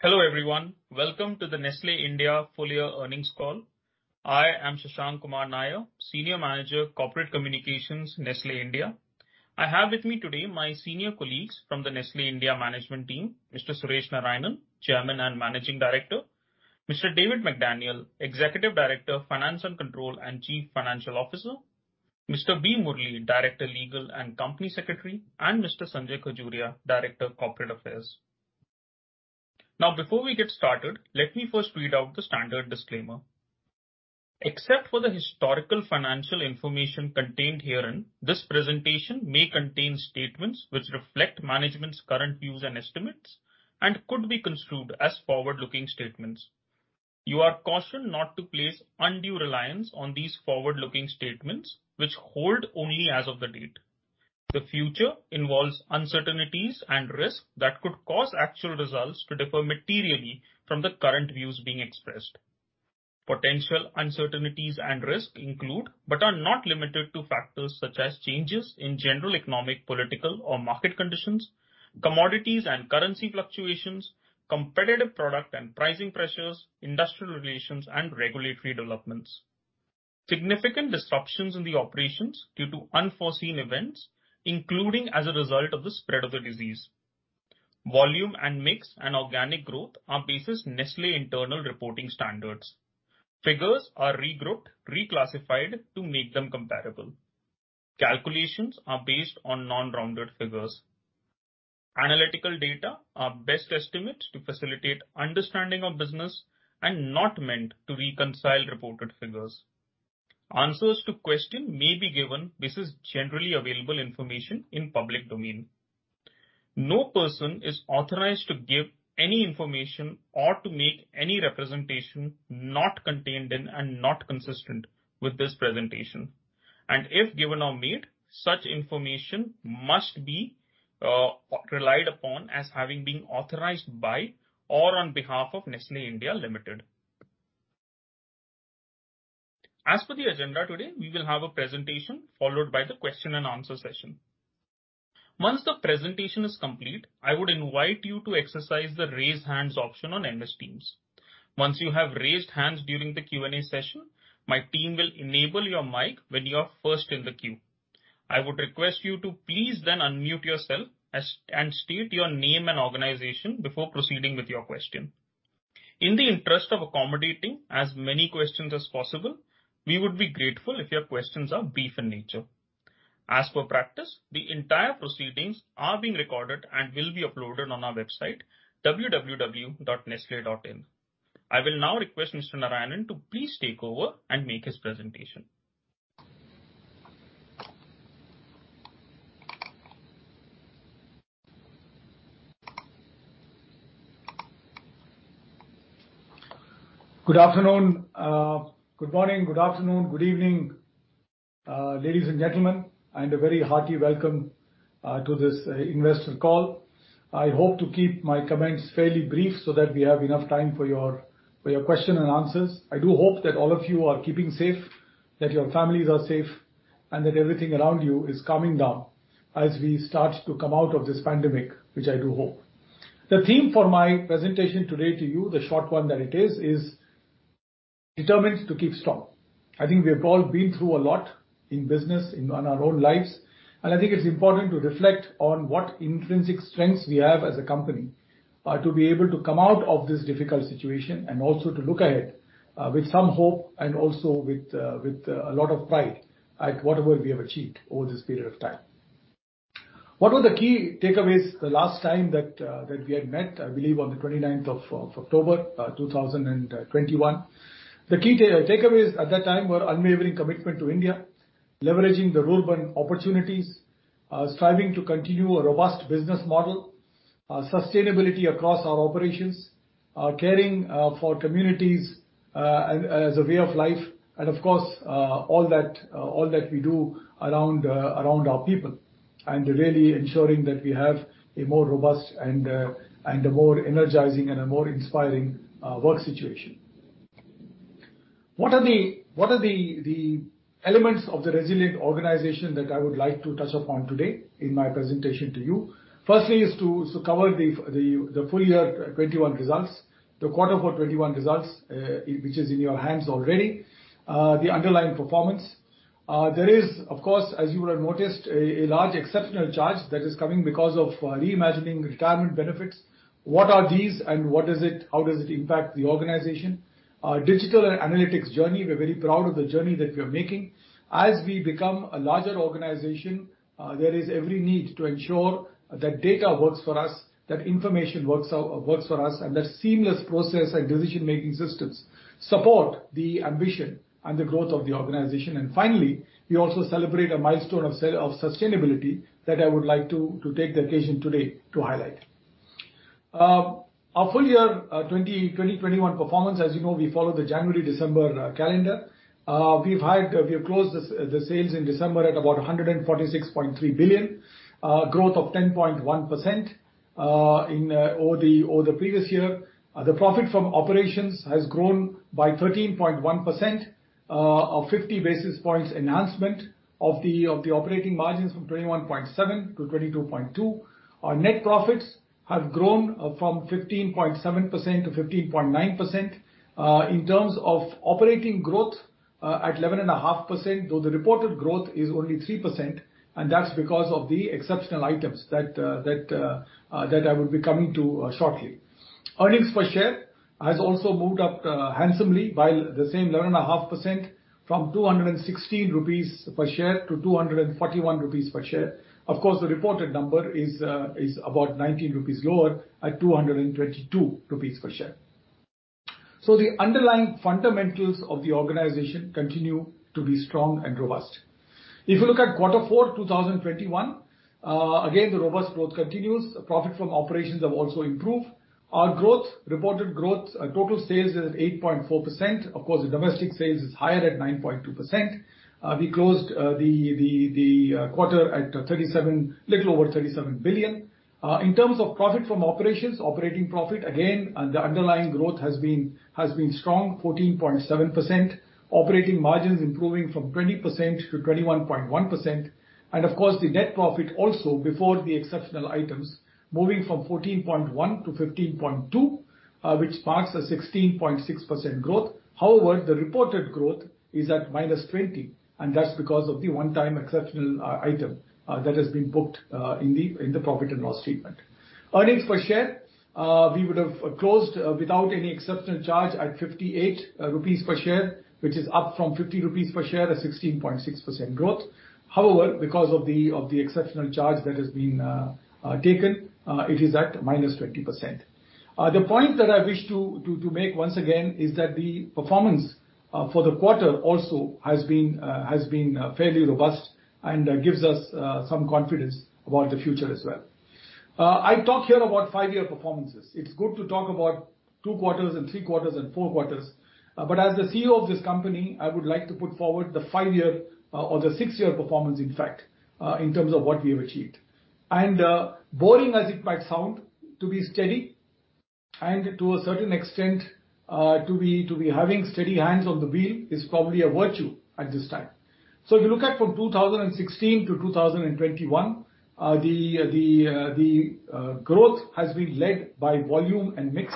Hello everyone. Welcome to the Nestlé India Full Year Earnings Call. I am Shashank Kumar Nair, Senior Manager, Corporate Communications, Nestlé India. I have with me today my senior colleagues from the Nestlé India management team, Mr. Suresh Narayanan, Chairman and Managing Director, Mr. David McDaniel, Executive Director, Finance & Control and Chief Financial Officer, Mr. B. Murli, Director, Legal and Company Secretary, and Mr. Sanjay Khajuria, Director, Corporate Affairs. Now, before we get started, let me first read out the standard disclaimer. Except for the historical financial information contained herein, this presentation may contain statements which reflect management's current views and estimates and could be construed as forward-looking statements. You are cautioned not to place undue reliance on these forward-looking statements, which hold only as of the date. The future involves uncertainties and risks that could cause actual results to differ materially from the current views being expressed. Potential uncertainties and risks include, but are not limited to, factors such as changes in general economic, political or market conditions, commodities and currency fluctuations, competitive product and pricing pressures, industrial relations and regulatory developments. Significant disruptions in the operations due to unforeseen events, including as a result of the spread of the disease. Volume and mix and organic growth are based on Nestlé internal reporting standards. Figures are regrouped, reclassified to make them comparable. Calculations are based on non-rounded figures. Analytical data are best estimates to facilitate understanding of business and not meant to reconcile reported figures. Answers to question may be given based on generally available information in public domain. No person is authorized to give any information or to make any representation not contained in and not consistent with this presentation, and if given or made, such information must be relied upon as having been authorized by or on behalf of Nestlé India Limited. As for the agenda today, we will have a presentation followed by the question and answer session. Once the presentation is complete, I would invite you to exercise the Raise Hands option on Microsoft Teams. Once you have raised hands during the Q&A session, my team will enable your mic when you are first in the queue. I would request you to please then unmute yourself, and state your name and organization before proceeding with your question. In the interest of accommodating as many questions as possible, we would be grateful if your questions are brief in nature. As for practice, the entire proceedings are being recorded and will be uploaded on our website www.nestle.in. I will now request Mr. Suresh Narayanan to please take over and make his presentation. Good afternoon. Good morning. Good evening, ladies and gentlemen, and a very hearty welcome to this investor call. I hope to keep my comments fairly brief so that we have enough time for your question and answers. I do hope that all of you are keeping safe, that your families are safe, and that everything around you is calming down as we start to come out of this pandemic, which I do hope. The theme for my presentation today to you, the short one that it is Determined to Keep Strong. I think we have all been through a lot in business, in our own lives, and I think it's important to reflect on what intrinsic strengths we have as a company to be able to come out of this difficult situation and also to look ahead with some hope and also with a lot of pride at what all we have achieved over this period of time. What were the key takeaways the last time that we had met, I believe on the 29th of October 2021? The key takeaways at that time were unwavering commitment to India, leveraging the rural opportunities, striving to continue a robust business model, sustainability across our operations, caring for communities as a way of life, and of course, all that we do around our people, and really ensuring that we have a more robust and a more energizing and a more inspiring work situation. What are the elements of the resilient organization that I would like to touch upon today in my presentation to you? First thing is to cover the full year 2021 results, the Q4 2021 results, which is in your hands already. The underlying performance. There is, of course, as you would have noticed, a large exceptional charge that is coming because of reimagining retirement benefits. What are these and what does it... how does it impact the organization? Our digital analytics journey, we're very proud of the journey that we are making. As we become a larger organization, there is every need to ensure that data works for us, that information works for us, and that seamless process and decision-making systems support the ambition and the growth of the organization. Finally, we also celebrate a milestone of sustainability that I would like to take the occasion today to highlight. Our full year 2021 performance, as you know, we follow the January-December calendar. We have closed the sales in December at about 146.3 billion, growth of 10.1% over the previous year. The profit from operations has grown by 13.1%. Of 50 basis points enhancement of the operating margins from 21.7%-22.2%. Our net profits have grown from 15.7%-15.9%. In terms of operating growth at 11.5%, though the reported growth is only 3%, and that's because of the exceptional items that I will be coming to shortly. Earnings per share has also moved up handsomely by the same 11.5% from 216 rupees per share to 241 rupees per share. Of course, the reported number is about 19 rupees lower at 222 rupees per share. The underlying fundamentals of the organization continue to be strong and robust. If you look at quarter four, 2021, again, the robust growth continues. Profit from operations have also improved. Our growth, reported growth, total sales is at 8.4%. Of course, the domestic sales is higher at 9.2%. We closed the quarter at a little over 37 billion. In terms of profit from operations, operating profit, again, underlying growth has been strong, 14.7%. Operating margins improving from 20%-21.1%. Of course, the net profit also before the exceptional items moving from 14.1%-15.2%, which marks a 16.6% growth. However, the reported growth is at -20%, and that's because of the one-time exceptional item that has been booked in the profit and loss statement. Earnings per share, we would have closed without any exceptional charge at 58 rupees per share, which is up from 50 rupees per share, a 16.6% growth. However, because of the exceptional charge that has been taken, it is at -20%. The point that I wish to make once again is that the performance for the quarter also has been fairly robust and gives us some confidence about the future as well. I talk here about five-year performances. It's good to talk about two quarters and three quarters and four quarters. As the CEO of this company, I would like to put forward the five-year or the six-year performance, in fact, in terms of what we have achieved. Boring as it might sound, to be steady and to a certain extent, to be having steady hands on the wheel is probably a virtue at this time. If you look at from 2016-2021, the growth has been led by volume and mix.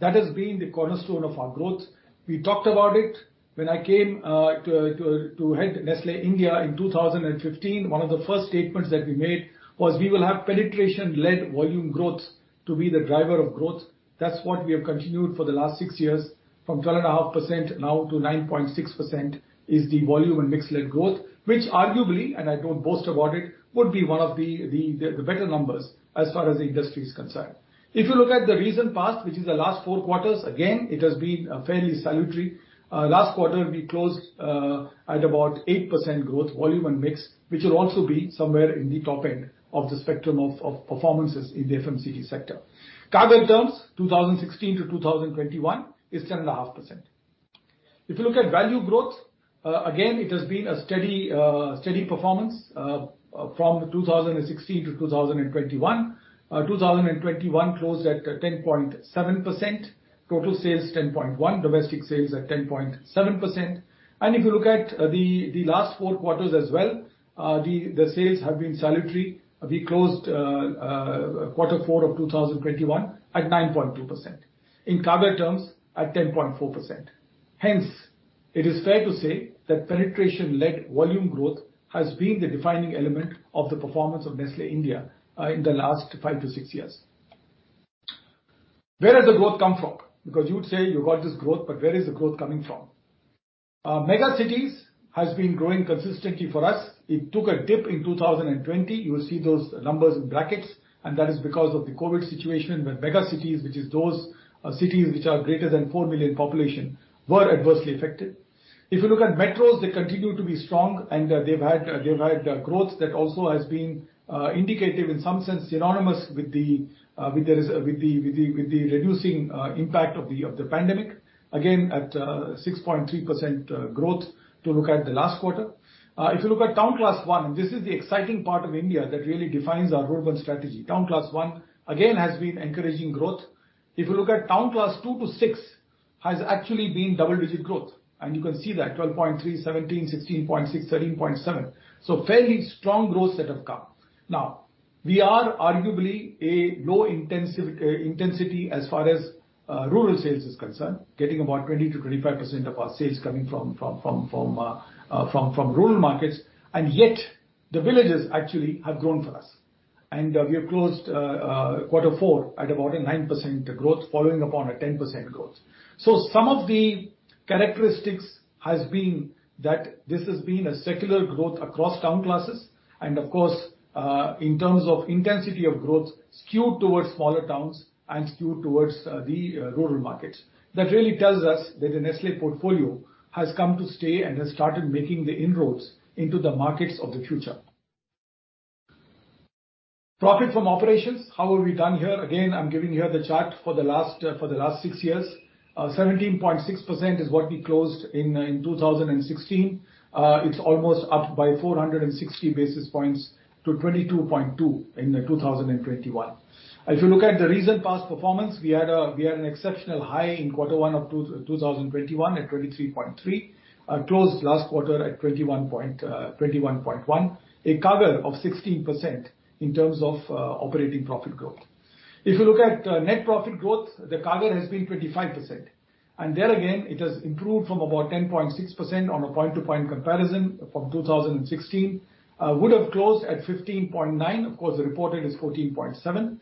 That has been the cornerstone of our growth. We talked about it when I came to head Nestlé India in 2015. One of the first statements that we made was we will have penetration-led volume growth to be the driver of growth. That's what we have continued for the last six years, from 12.5% now to 9.6% is the volume and mix-led growth, which arguably, and I don't boast about it, would be one of the better numbers as far as the industry is concerned. If you look at the recent past, which is the last four quarters, again, it has been fairly salutary. Last quarter, we closed at about 8% growth volume and mix, which will also be somewhere in the top end of the spectrum of performances in the FMCG sector. CAGR terms, 2016-2021 is 10.5%. If you look at value growth, again, it has been a steady performance from 2016-2021. 2021 closed at 10.7%. Total sales, 10.1%. Domestic sales at 10.7%. If you look at the last four quarters as well, the sales have been salutary. We closed quarter four of 2021 at 9.2%. In CAGR terms, at 10.4%. Hence, it is fair to say that penetration-led volume growth has been the defining element of the performance of Nestlé India in the last five to six years. Where has the growth come from? Because you would say you got this growth, but where is the growth coming from? Mega cities has been growing consistently for us. It took a dip in 2020. You will see those numbers in brackets, and that is because of the COVID situation, where mega cities, which is those cities which are greater than 4 million population, were adversely affected. If you look at metros, they continue to be strong, and they've had growth that also has been indicative in some sense, synonymous with the reducing impact of the pandemic. Again, at 6.3% growth to look at the last quarter. If you look at town class one, this is the exciting part of India that really defines our rural strategy. Town class one, again, has been encouraging growth. If you look at town class two to six, has actually been double-digit growth, and you can see that, 12.3%, 17%, 16.6%, 13.7%. So fairly strong growth that have come. Now, we are arguably a low intensity as far as rural sales is concerned, getting about 20%-25% of our sales coming from rural markets. And yet, the villagers actually have grown for us. We have closed quarter four at about a 9% growth following upon a 10% growth. Some of the characteristics has been that this has been a secular growth across town classes and of course, in terms of intensity of growth skewed towards smaller towns and skewed towards, the rural markets. That really tells us that the Nestlé portfolio has come to stay and has started making the inroads into the markets of the future. Profit from operations, how have we done here? Again, I'm giving here the chart for the last six years. 17.6% is what we closed in 2016. It's almost up by 460 basis points to 22.2% in 2021. If you look at the recent past performance, we had an exceptional high in quarter one of 2021 at 23.3%. Closed last quarter at 21.1%. A CAGR of 16% in terms of operating profit growth. If you look at net profit growth, the CAGR has been 25%. There again, it has improved from about 10.6% on a point-to-point comparison from 2016. Would have closed at 15.9%. Of course, the reported is 14.7%.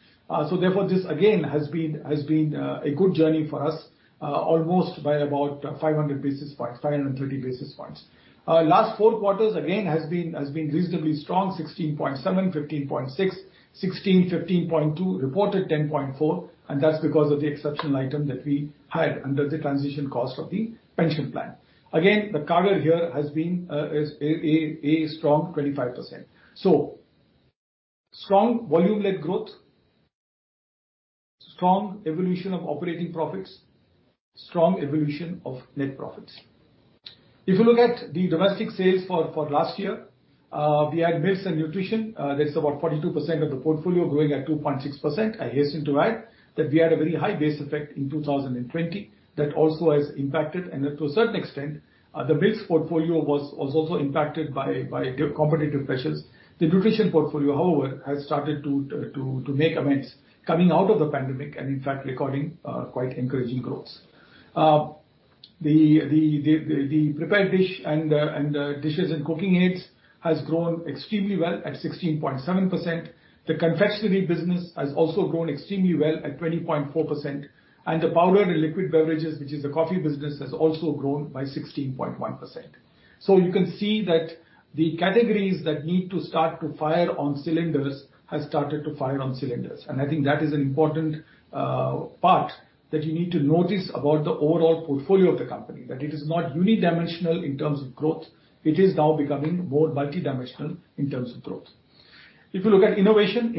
Therefore, this again has been a good journey for us, almost by about 500 basis points, 530 basis points. Last four quarters again has been reasonably strong. 16.7%, 15.6%, 16%, 15.2%. Reported 10.4%, and that's because of the exceptional item that we had under the transition cost of the pension plan. Again, the CAGR here has been a strong 25%. Strong volume led growth, strong evolution of operating profits, strong evolution of net profits. If you look at the domestic sales for last year, we had milks and nutrition, that's about 42% of the portfolio growing at 2.6%. I hasten to add that we had a very high base effect in 2020 that also has impacted, and to a certain extent, the milks portfolio was also impacted by competitive pressures. The nutrition portfolio, however, has started to make amends coming out of the pandemic and in fact recording quite encouraging growths. The prepared dish and dishes and cooking aids has grown extremely well at 16.7%. The confectionery business has also grown extremely well at 20.4%. The powdered and liquid beverages, which is the coffee business, has also grown by 16.1%. You can see that the categories that need to start to fire on cylinders have started to fire on cylinders. I think that is an important part that you need to notice about the overall portfolio of the company, that it is not unidimensional in terms of growth. It is now becoming more multidimensional in terms of growth. If you look at innovation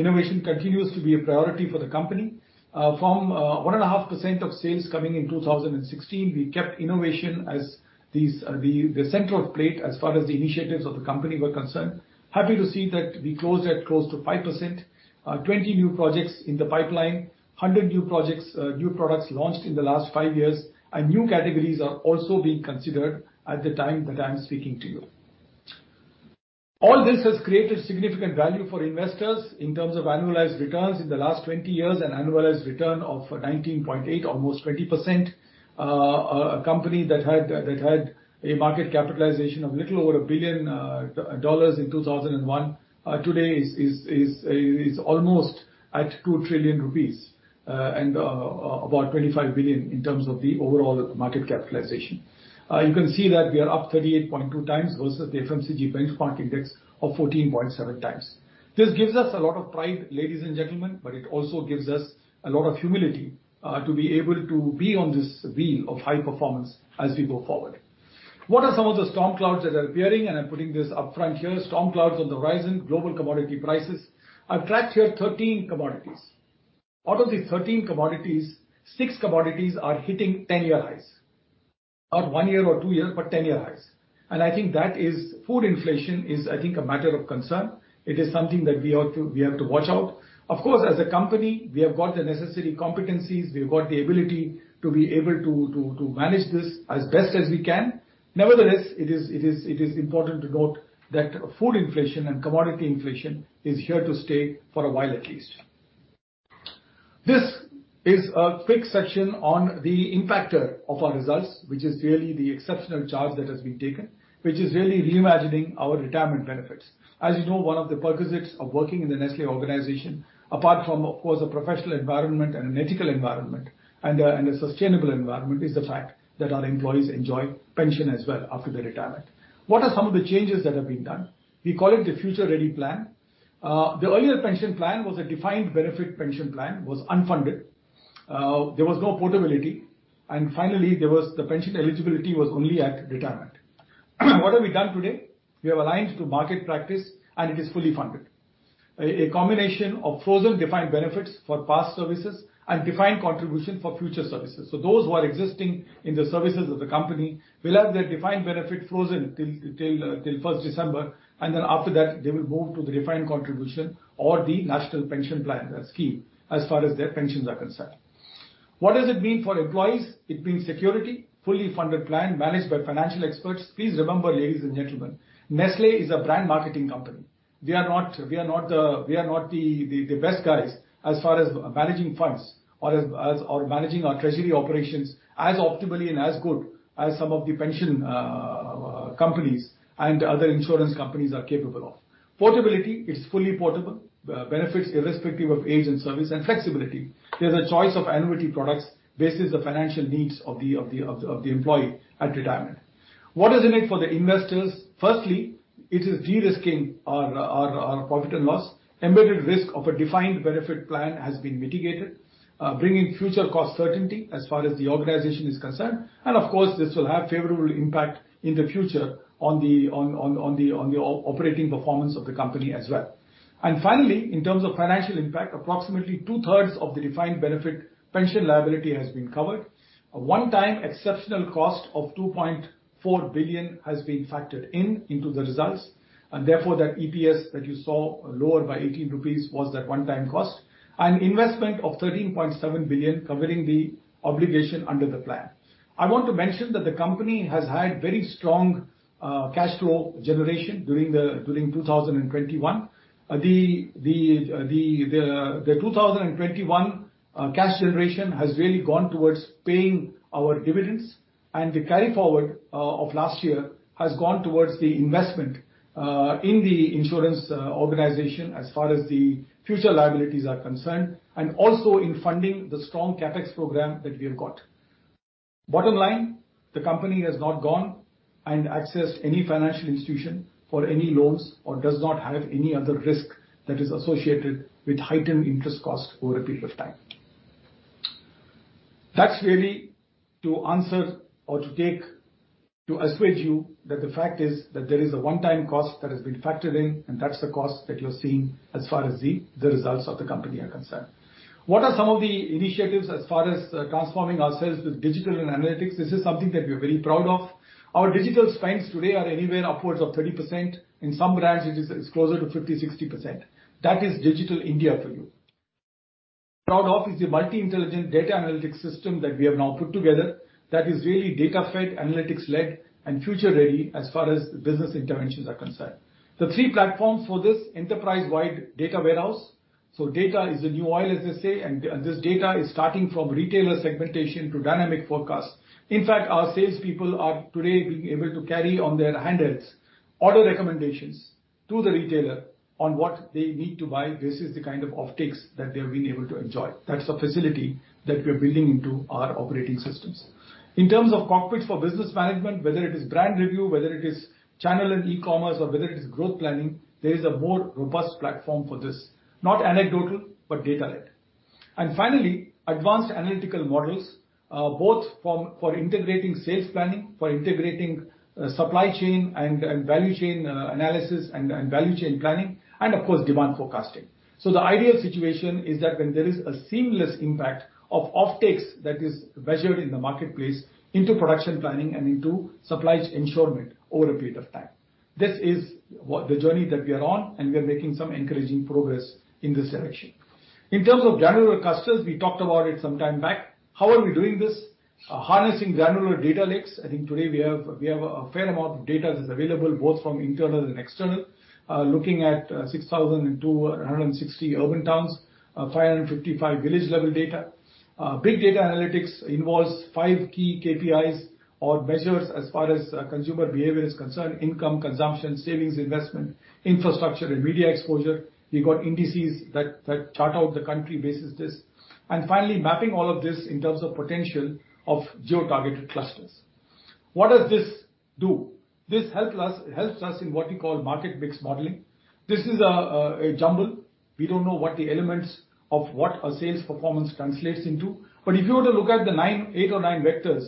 continues to be a priority for the company. From 1.5% of sales coming in 2016, we kept innovation as the central plate as far as the initiatives of the company were concerned. Happy to see that we closed at close to 5%. 20 new projects in the pipeline, 100 new projects, new products launched in the last five years. New categories are also being considered at the time that I'm speaking to you. All this has created significant value for investors in terms of annualized returns. In the last 20 years, an annualized return of 19.8%, almost 20%. A company that had a market capitalization of a little over a billion dollars in 2001, today is almost at 2 trillion rupees and about $25 billion in terms of the overall market capitalization. You can see that we are up 38.2 times versus the FMCG benchmark index of 14.7 times. This gives us a lot of pride, ladies and gentlemen, but it also gives us a lot of humility to be able to be on this wheel of high performance as we go forward. What are some of the storm clouds that are appearing? I'm putting this up front here. Storm clouds on the horizon. Global commodity prices. I've tracked here 13 commodities. Out of the 13 commodities, 6 commodities are hitting 10-year highs. Not one year or two years, but 10-year highs. I think that is food inflation is a matter of concern. It is something that we have to watch out. Of course, as a company, we have got the necessary competencies. We've got the ability to be able to manage this as best as we can. Nevertheless, it is important to note that food inflation and commodity inflation is here to stay for a while at least. This is a quick section on the impact on our results, which is really the exceptional charge that has been taken, which is really reimagining our retirement benefits. As you know, one of the perquisites of working in the Nestlé organization, apart from, of course, a professional environment and an ethical environment and a sustainable environment, is the fact that our employees enjoy pension as well after their retirement. What are some of the changes that have been done? We call it the future-ready plan. The earlier pension plan was a defined benefit pension plan, was unfunded. There was no portability. And finally, the pension eligibility was only at retirement. What have we done today? We have aligned to market practice, and it is fully funded, a combination of frozen defined benefits for past services and defined contribution for future services. Those who are existing in the services of the company will have their defined benefit frozen till first December, and then after that, they will move to the defined contribution or the National Pension Plan scheme as far as their pensions are concerned. What does it mean for employees? It means security, fully funded plan managed by financial experts. Please remember, ladies and gentlemen, Nestlé is a brand marketing company. We are not the best guys as far as managing funds or managing our treasury operations as optimally and as good as some of the pension companies and other insurance companies are capable of. Portability. It's fully portable. Benefits irrespective of age and service and flexibility. There's a choice of annuity products based on the financial needs of the employee at retirement. What is in it for the investors? Firstly, it is de-risking our profit and loss. Embedded risk of a defined benefit plan has been mitigated, bringing future cost certainty as far as the organization is concerned. Of course, this will have favorable impact in the future on the operating performance of the company as well. Finally, in terms of financial impact, approximately 2/3 of the defined benefit pension liability has been covered. A one-time exceptional cost of 2.4 billion has been factored in into the results, and therefore that EPS that you saw lower by 18 rupees was that one-time cost. Investment of 13.7 billion covering the obligation under the plan. I want to mention that the company has had very strong cash flow generation during 2021. 2021 cash generation has really gone towards paying our dividends, and the carry forward of last year has gone towards the investment in the insurance organization as far as the future liabilities are concerned, and also in funding the strong CapEx program that we have got. Bottom line, the company has not gone and accessed any financial institution for any loans or does not have any other risk that is associated with heightened interest cost over a period of time. That's really to assuage you that the fact is that there is a one-time cost that has been factored in, and that's the cost that you're seeing as far as the results of the company are concerned. What are some of the initiatives as far as transforming ourselves with digital and analytics? This is something that we're very proud of. Our digital spends today are anywhere upwards of 30%. In some brands it's closer to 50%, 60%. That is Digital India for you. Proud of is the multi-intelligent data analytics system that we have now put together that is really data-fed, analytics-led, and future-ready as far as the business interventions are concerned. The three platforms for this enterprise-wide data warehouse. Data is the new oil, as they say, and this data is starting from retailer segmentation to dynamic forecast. In fact, our salespeople are today being able to carry on their handhelds auto recommendations to the retailer on what they need to buy. This is the kind of offtakes that they have been able to enjoy. That's the facility that we're building into our operating systems. In terms of cockpits for business management, whether it is brand review, whether it is channel and e-commerce or whether it is growth planning, there is a more robust platform for this, not anecdotal, but data-led. Finally, advanced analytical models, both for integrating sales planning, for integrating supply chain and value chain analysis and value chain planning and of course, demand forecasting. The ideal situation is that when there is a seamless impact of offtakes that is measured in the marketplace into production planning and into supplies ensurement over a period of time. This is the journey that we are on, and we are making some encouraging progress in this direction. In terms of granular clusters, we talked about it some time back. How are we doing this? Harnessing granular data lakes. I think today we have a fair amount of data that is available both from internal and external. Looking at 6,260 urban towns, 555 village-level data. Big data analytics involves 5 key KPIs or measures as far as consumer behavior is concerned, income, consumption, savings, investment, infrastructure and media exposure. We've got indices that chart out the country basis this. Finally mapping all of this in terms of potential of geo-targeted clusters. What does this do? This helps us in what we call market mix modeling. This is a jumble. We don't know what the elements of what a sales performance translates into. If you were to look at the nine, eight or nine vectors,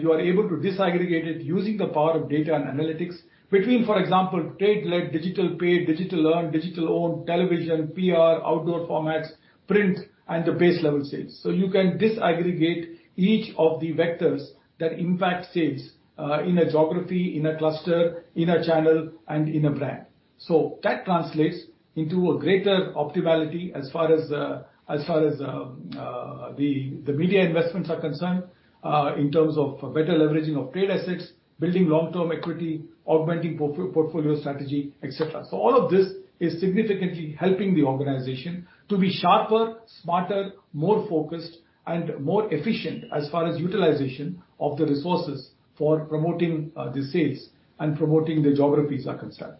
you are able to disaggregate it using the power of data and analytics between, for example, trade-led, digital paid, digital earned, digital owned, television, PR, outdoor formats, print, and the base level sales. You can disaggregate each of the vectors that impact sales, in a geography, in a cluster, in a channel and in a brand. That translates into a greater optimality as far as the media investments are concerned, in terms of better leveraging of trade assets, building long-term equity, augmenting portfolio strategy, etc. All of this is significantly helping the organization to be sharper, smarter, more focused and more efficient as far as utilization of the resources for promoting the sales and promoting the geographies are concerned.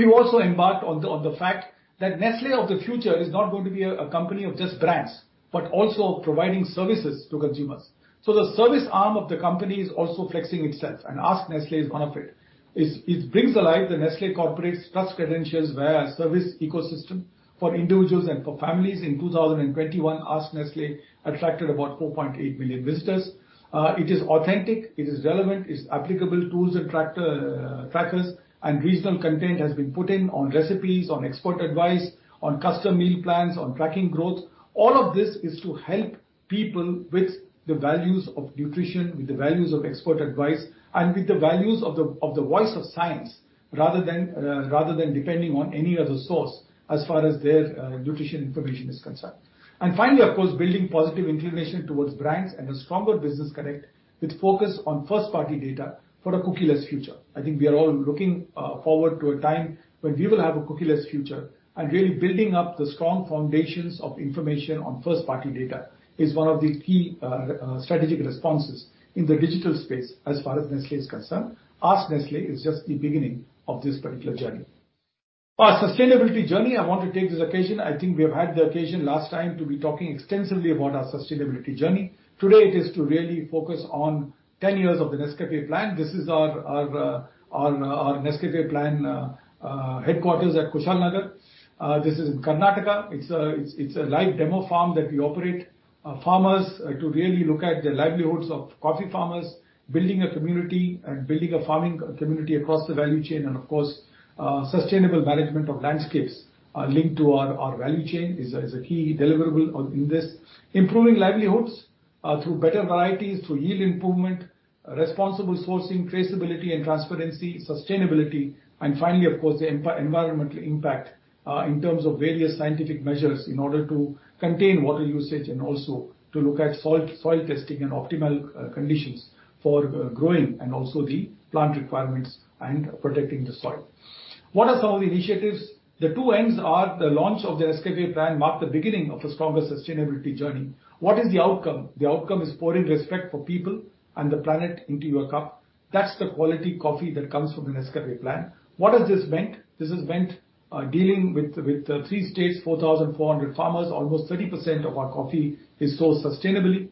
We've also embarked on the fact that Nestlé of the future is not going to be a company of just brands, but also providing services to consumers. The service arm of the company is also flexing itself, and AskNestlé is one of it. It brings alive the Nestlé Corporation's trust credentials via a service ecosystem for individuals and for families. In 2021, AskNestlé attracted about 4.8 million visitors. It is authentic, it is relevant, it has applicable tools and trackers and regional content has been put in on recipes, on expert advice, on custom meal plans, on tracking growth. All of this is to help people with the values of nutrition, with the values of expert advice, and with the values of the voice of science, rather than depending on any other source as far as their nutrition information is concerned. Finally, of course, building positive inclination towards brands and a stronger business connect with focus on first-party data for a cookie-less future. I think we are all looking forward to a time when we will have a cookie-less future. Really building up the strong foundations of information on first-party data is one of the key strategic responses in the digital space as far as Nestlé is concerned. AskNestlé is just the beginning of this particular journey. Our sustainability journey, I want to take this occasion. I think we have had the occasion last time to be talking extensively about our sustainability journey. Today it is to really focus on 10 years of the Nescafé Plan. This is our Nescafé Plan headquarters at Kushalnagar. This is in Karnataka. It's a live demo farm that we operate. To really look at the livelihoods of coffee farmers, building a community and a farming community across the value chain and, of course, sustainable management of landscapes are linked to our value chain is a key deliverable in this. Improving livelihoods through better varieties, through yield improvement, responsible sourcing, traceability and transparency, sustainability, and finally of course the environmental impact in terms of various scientific measures in order to contain water usage and also to look at soil testing and optimal conditions for growing and also the plant requirements and protecting the soil. What are some of the initiatives? The launch of the Nescafé Plan marked the beginning of a stronger sustainability journey. What is the outcome? The outcome is pouring respect for people and the planet into your cup. That's the quality coffee that comes from the Nescafé Plan. What has this meant? This has meant dealing with three states, 4,400 farmers. Almost 30% of our coffee is sourced sustainably.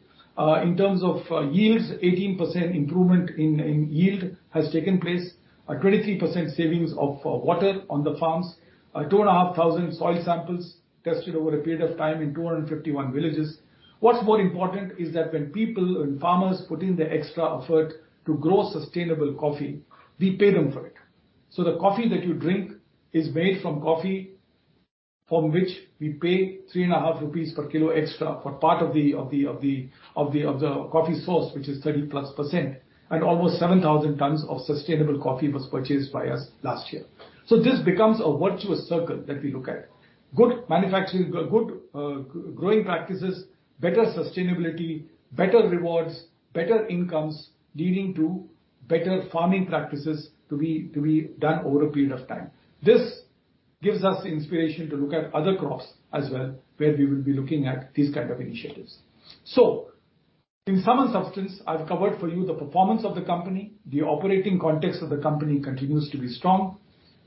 In terms of yields, 18% improvement in yield has taken place. 23% savings of water on the farms. 2,500 soil samples tested over a period of time in 251 villages. What's more important is that when people and farmers put in the extra effort to grow sustainable coffee, we pay them for it. The coffee that you drink is made from coffee from which we pay 3.5 rupees per kilo extra for part of the coffee source, which is 30%+. Almost 7,000 tons of sustainable coffee was purchased by us last year. This becomes a virtuous circle that we look at. Good manufacturing, good growing practices, better sustainability, better rewards, better incomes, leading to better farming practices to be done over a period of time. This gives us inspiration to look at other crops as well, where we will be looking at these kind of initiatives. In sum and substance, I've covered for you the performance of the company. The operating context of the company continues to be strong.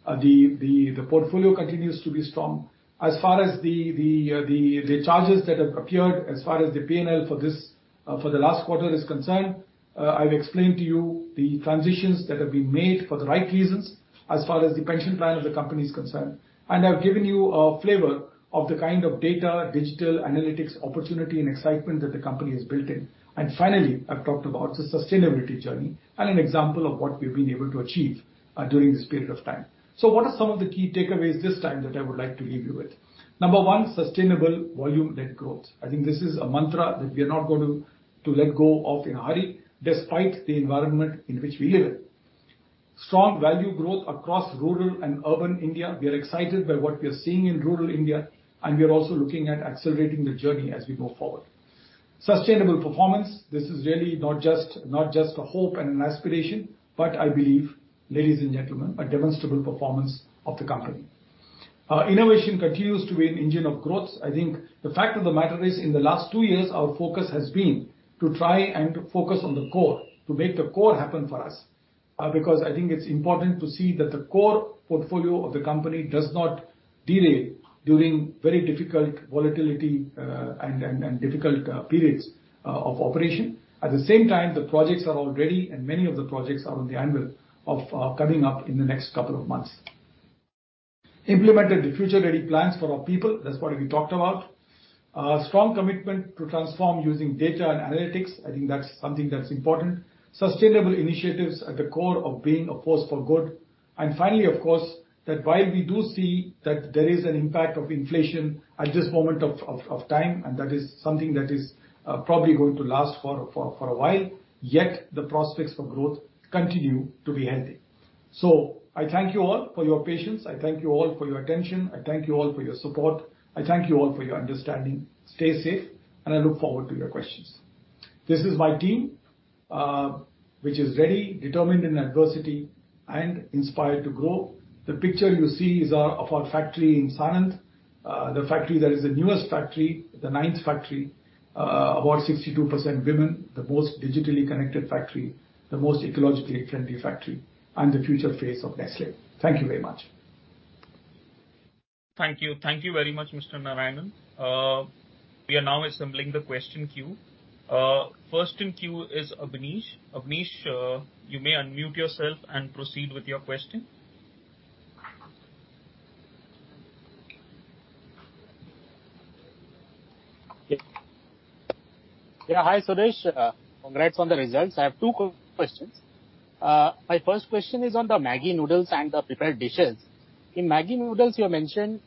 The portfolio continues to be strong. As far as the charges that have appeared as far as the P&L for the last quarter is concerned, I've explained to you the transitions that have been made for the right reasons as far as the pension plan of the company is concerned. I've given you a flavor of the kind of data, digital analytics opportunity and excitement that the company has built in. Finally, I've talked about the sustainability journey and an example of what we've been able to achieve, during this period of time. What are some of the key takeaways this time that I would like to leave you with? Number one, sustainable volume-led growth. I think this is a mantra that we are not going to let go of in a hurry despite the environment in which we live. Strong value growth across rural and urban India. We are excited by what we are seeing in rural India, and we are also looking at accelerating the journey as we go forward. Sustainable performance. This is really not just a hope and an aspiration, but I believe, ladies and gentlemen, a demonstrable performance of the company. Innovation continues to be an engine of growth. I think the fact of the matter is, in the last two years, our focus has been to try and focus on the core, to make the core happen for us, because I think it's important to see that the core portfolio of the company does not derail during very difficult volatility, and difficult periods of operation. At the same time, the projects are all ready and many of the projects are on the anvil of coming up in the next couple of months. Implemented the future-ready plans for our people. That's what we talked about. Strong commitment to transform using data and analytics. I think that's something that's important. Sustainable initiatives at the core of being a force for good. Finally, of course, that while we do see that there is an impact of inflation at this moment of time, and that is something that is probably going to last for a while, yet the prospects for growth continue to be healthy. I thank you all for your patience. I thank you all for your attention. I thank you all for your support. I thank you all for your understanding. Stay safe, and I look forward to your questions. This is my team, which is ready, determined in adversity, and inspired to grow. The picture you see is of our factory in Sanand, the factory that is the newest factory, the ninth factory. About 62% women, the most digitally connected factory, the most ecologically friendly factory, and the future face of Nestlé. Thank you very much. Thank you. Thank you very much, Mr. Narayanan. We are now assembling the question queue. First in queue is Abneesh. Abneesh, you may unmute yourself and proceed with your question. Yeah. Hi, Suresh. Congrats on the results. I have two questions. My first question is on the Maggi noodles and the prepared dishes. In Maggi noodles, you mentioned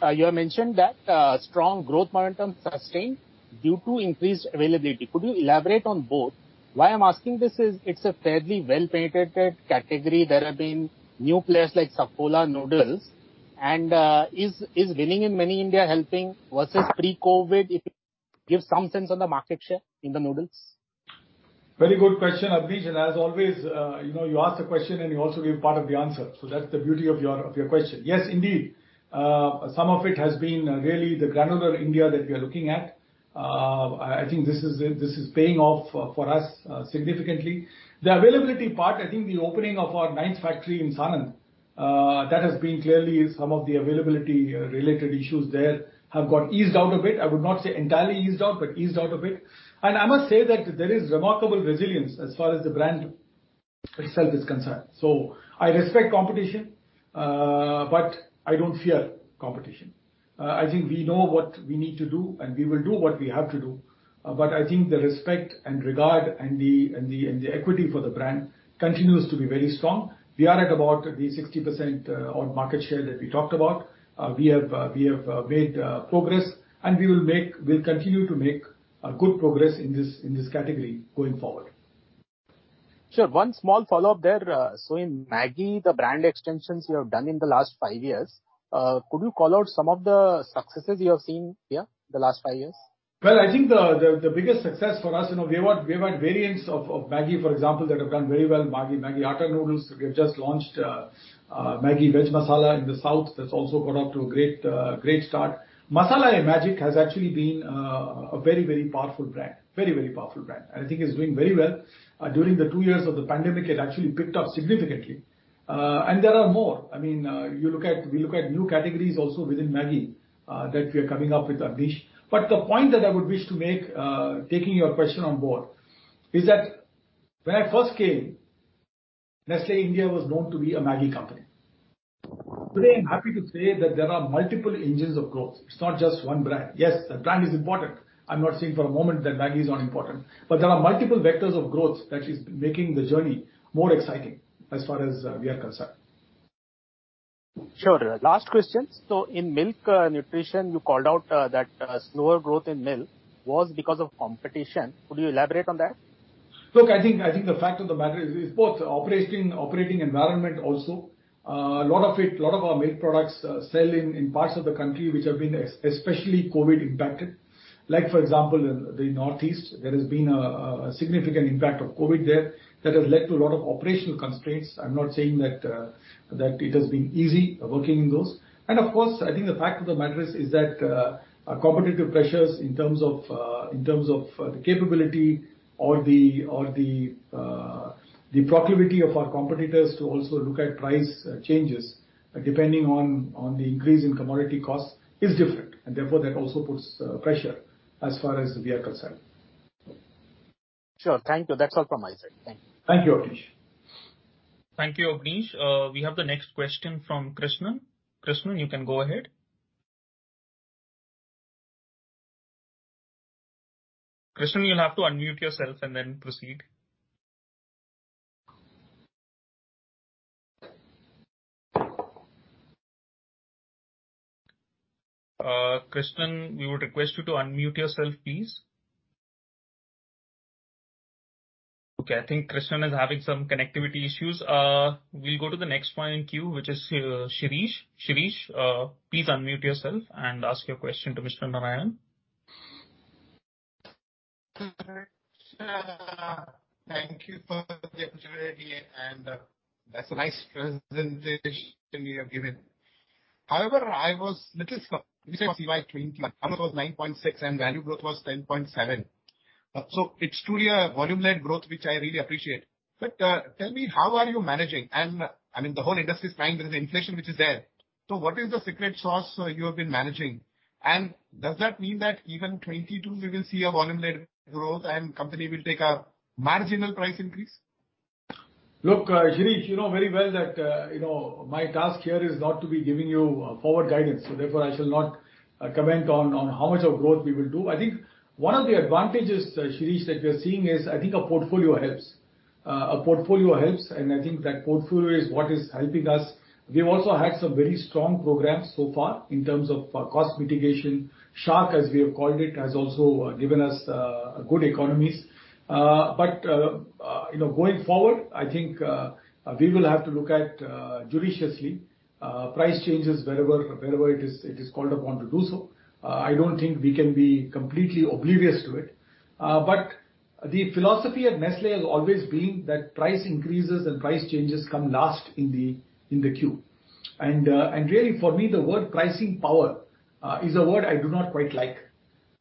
that strong growth momentum sustained due to increased availability. Could you elaborate on both? Why I'm asking this is it's a fairly well-penetrated category. There have been new players like Saffola Oodles. Is Winning in Many Indias helping versus pre-COVID? If you give some sense on the market share in the noodles. Very good question, Abneesh. As always, you know, you ask the question and you also give part of the answer. That's the beauty of your question. Yes, indeed. Some of it has been really the granular India that we are looking at. I think this is paying off for us significantly. The availability part, I think the opening of our ninth factory in Sanand, that has been clearly some of the availability related issues there have got eased out a bit. I would not say entirely eased out, but eased out a bit. I must say that there is remarkable resilience as far as the brand itself is concerned. I respect competition, but I don't fear competition. I think we know what we need to do, and we will do what we have to do. But I think the respect and regard and the equity for the brand continues to be very strong. We are at about the 60% on market share that we talked about. We have made progress, and we'll continue to make good progress in this category going forward. Sure. One small follow-up there. In Maggi, the brand extensions you have done in the last five years, could you call out some of the successes you have seen in the last five years? Well, I think the biggest success for us, you know, we have had variants of Maggi, for example, that have done very well. Maggi Atta Noodles. We have just launched Maggi Veggie Masala in the South. That's also got off to a great start. Maggi Masala-ae-Magic has actually been a very powerful brand, and I think it's doing very well. During the two years of the pandemic, it actually picked up significantly. There are more. I mean, we look at new categories also within Maggi that we are coming up with, Abneesh. The point that I would wish to make, taking your question on board, is that when I first came, Nestlé India was known to be a Maggi company. Today, I'm happy to say that there are multiple engines of growth. It's not just one brand. Yes, the brand is important. I'm not saying for a moment that Maggi is not important. There are multiple vectors of growth that is making the journey more exciting as far as we are concerned. Sure. Last question. In milk nutrition, you called out that slower growth in milk was because of competition. Could you elaborate on that? Look, I think the fact of the matter is both operating environment also. A lot of our milk products sell in parts of the country which have been especially COVID impacted. For example, in the Northeast, there has been a significant impact of COVID there that has led to a lot of operational constraints. I'm not saying that it has been easy working in those. Of course, I think the fact of the matter is that competitive pressures in terms of the capability or the proclivity of our competitors to also look at price changes depending on the increase in commodity costs is different. Therefore, that also puts pressure as far as we are concerned. Sure. Thank you. That's all from my side. Thank you. Thank you, Abneesh. Thank you, Abneesh. We have the next question from Krishnan. Krishnan, you can go ahead. Krishnan, you'll have to unmute yourself and then proceed. Krishnan, we would request you to unmute yourself, please. Okay, I think Krishnan is having some connectivity issues. We'll go to the next one in queue, which is Shirish. Shirish, please unmute yourself and ask your question to Mr. Narayanan. Sure. Thank you for the opportunity, and that's a nice presentation you have given. However, I was a little stuck. You said CY 2020, volume was 9.6% and value growth was 10.7%. It's truly a volume-led growth, which I really appreciate. Tell me, how are you managing? I mean, the whole industry is crying. There is inflation which is there. What is the secret sauce you have been managing? Does that mean that even 2022 we will see a volume-led growth and company will take a marginal price increase? Look, Shirish, you know very well that, you know, my task here is not to be giving you forward guidance, so therefore I shall not comment on how much of growth we will do. I think one of the advantages, Shirish, that we are seeing is I think our portfolio helps. Our portfolio helps, and I think that portfolio is what is helping us. We have also had some very strong programs so far in terms of cost mitigation. SHARK, as we have called it, has also given us good economies. You know, going forward, I think we will have to look at judiciously price changes wherever it is called upon to do so. I don't think we can be completely oblivious to it. The philosophy at Nestlé has always been that price increases and price changes come last in the queue. Really for me, the word pricing power is a word I do not quite like.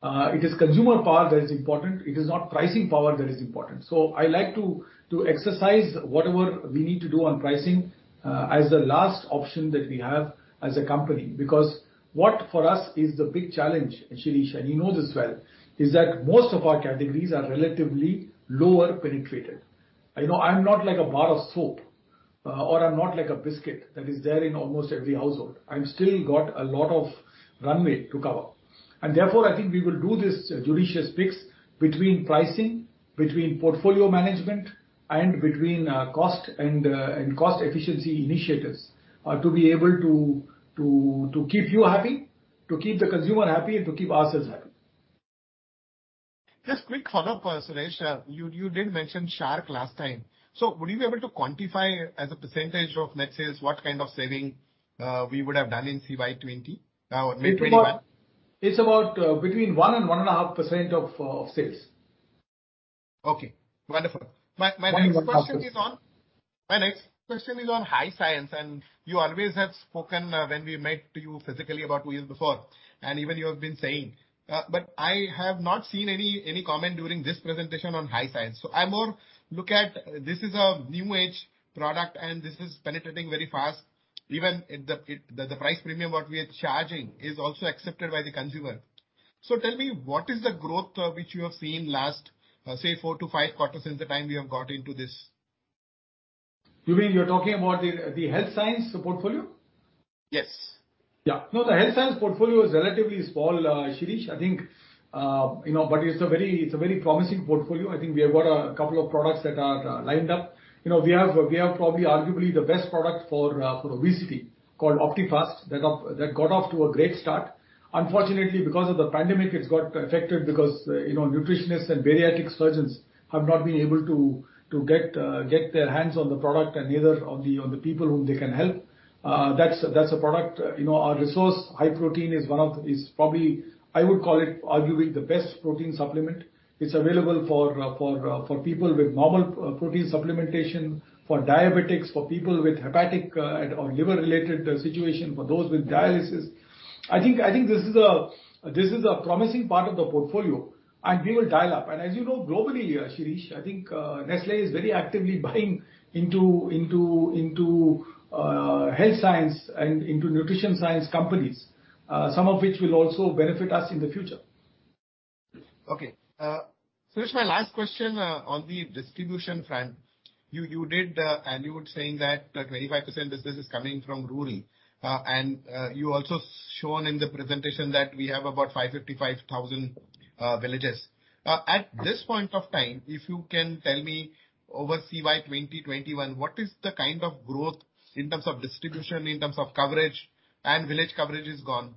It is consumer power that is important. It is not pricing power that is important. I like to exercise whatever we need to do on pricing as the last option that we have as a company. Because what for us is the big challenge, Shirish, and you know this well, is that most of our categories are relatively lower penetrated. You know, I'm not like a bar of soap or I'm not like a biscuit that is there in almost every household. I've still got a lot of runway to cover. Therefore, I think we will do this judicious mix between pricing, between portfolio management, and between cost and cost efficiency initiatives, to be able to keep you happy, to keep the consumer happy, and to keep ourselves happy. Just quick follow-up, Suresh. You did mention SHARK last time. Would you be able to quantify as a percentage of net sales what kind of saving we would have done in CY 2020? I mean 2021. It's about between 1% and 1.5% of sales. Okay, wonderful. My next question is on health science, and you always have spoken when we met you physically about two years before, and even you have been saying, but I have not seen any comment during this presentation on health science. I more look at this is a new age product and this is penetrating very fast. Even the price premium what we are charging is also accepted by the consumer. Tell me, what is the growth which you have seen last, say four to five quarters since the time we have got into this? You mean you're talking about the Health Science Portfolio? Yes. Yeah. No, the Health Science Portfolio is relatively small, Shirish. I think you know it's a very promising portfolio. I think we have got a couple of products that are lined up. You know, we have probably arguably the best product for obesity called Optifast. That got off to a great start. Unfortunately, because of the pandemic, it's got affected because you know nutritionists and bariatric surgeons have not been able to to get their hands on the product and neither on the people whom they can help. That's a product. You know, our Resource High Protein is probably, I would call it arguably the best protein supplement. It's available for people with normal protein supplementation, for diabetics, for people with hepatic or liver related situation, for those with dialysis. I think this is a promising part of the portfolio, and we will dial up. As you know, globally, Shirish, I think Nestlé is very actively buying into health science and into nutrition science companies, some of which will also benefit us in the future. Okay. That's my last question on the distribution front. You did and you were saying that 25% business is coming from rural. You also shown in the presentation that we have about 555,000 villages. At this point of time, if you can tell me over CY 2021, what is the kind of growth in terms of distribution, in terms of coverage and village coverage has grown?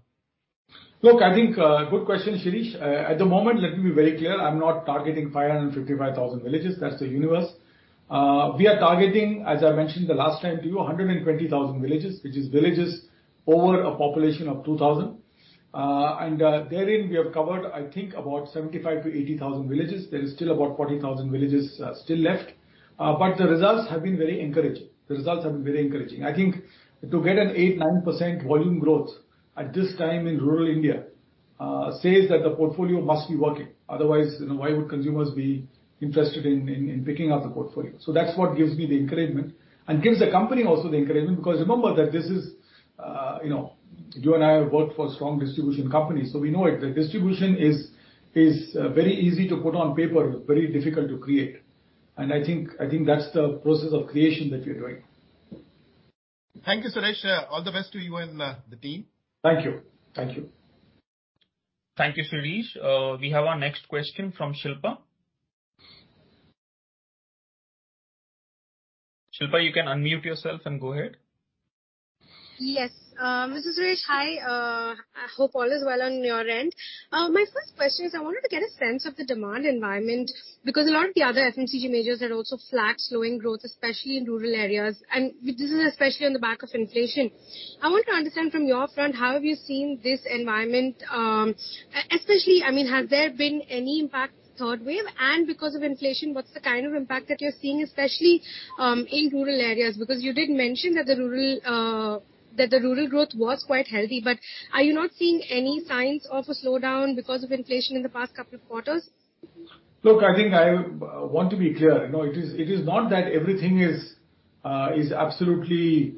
Look, I think, good question, Shirish. At the moment, let me be very clear, I'm not targeting 555,000 villages. That's the universe. We are targeting, as I mentioned the last time to you, 120,000 villages, which is villages over a population of 2,000. And therein we have covered, I think about 75,000-80,000 villages. There is still about 40,000 villages still left. But the results have been very encouraging. I think to get an 8%-9% volume growth at this time in rural India says that the portfolio must be working. Otherwise, you know, why would consumers be interested in picking up the portfolio? That's what gives me the encouragement and gives the company also the encouragement, because remember that this is, you know, you and I have worked for strong distribution companies, so we know it. The distribution is very easy to put on paper, very difficult to create. I think that's the process of creation that we're doing. Thank you, Suresh. All the best to you and the team. Thank you. Thank you. Thank you, Shirish. We have our next question from Shilpa. Shilpa, you can unmute yourself and go ahead. Yes. Mr. Suresh, hi. I hope all is well on your end. My first question is, I wanted to get a sense of the demand environment, because a lot of the other FMCG majors are also flat, slowing growth, especially in rural areas, and this is especially on the back of inflation. I want to understand from your front, how have you seen this environment? Especially, I mean, has there been any impact, third wave? Because of inflation, what's the kind of impact that you're seeing, especially, in rural areas? Because you did mention that the rural growth was quite healthy, but are you not seeing any signs of a slowdown because of inflation in the past couple of quarters? Look, I think I want to be clear. No, it is not that everything is absolutely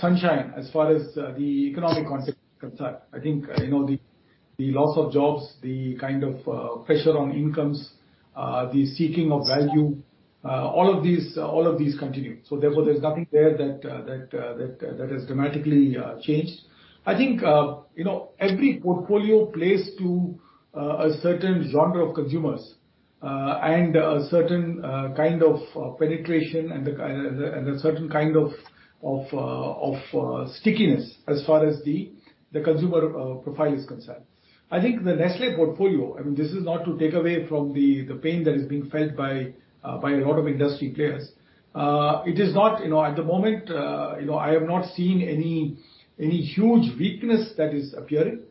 sunshine as far as the economic concept is concerned. I think, you know, the loss of jobs, the kind of pressure on incomes, the seeking of value, all of these continue. Therefore, there's nothing there that has dramatically changed. I think, you know, every portfolio plays to a certain genre of consumers, and a certain kind of penetration and a certain kind of stickiness as far as the consumer profile is concerned. I think the Nestlé portfolio, I mean, this is not to take away from the pain that is being felt by a lot of industry players. It is not, you know, at the moment, you know, I have not seen any huge weakness that is appearing.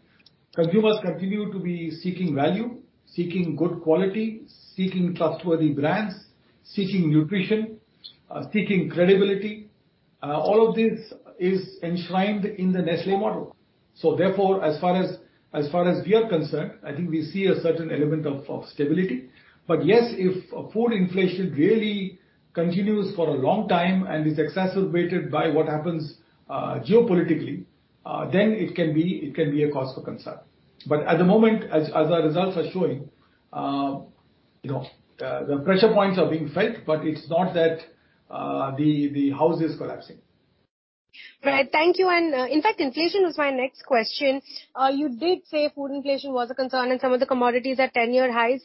Consumers continue to be seeking value, seeking good quality, seeking trustworthy brands, seeking nutrition, seeking credibility. All of this is enshrined in the Nestlé model. Therefore, as far as we are concerned, I think we see a certain element of stability. Yes, if food inflation really continues for a long time and is exacerbated by what happens geopolitically, then it can be a cause for concern. At the moment, as our results are showing, you know, the pressure points are being felt, but it's not that, the house is collapsing. Right. Thank you. In fact, inflation was my next question. You did say food inflation was a concern and some of the commodities are 10-year highs.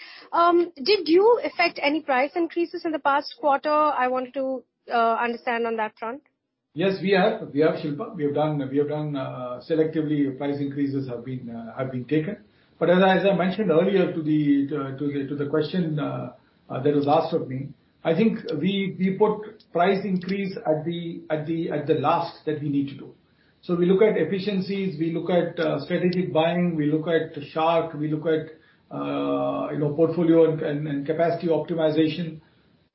Did you effect any price increases in the past quarter? I wanted to understand on that front. Yes, we have. We have, Shilpa. We have done selectively price increases have been taken. As I mentioned earlier to the question that was asked of me, I think we put price increase at the last that we need to do. We look at efficiencies, we look at strategic buying, we look at the SHARK, we look at you know, portfolio and capacity optimization,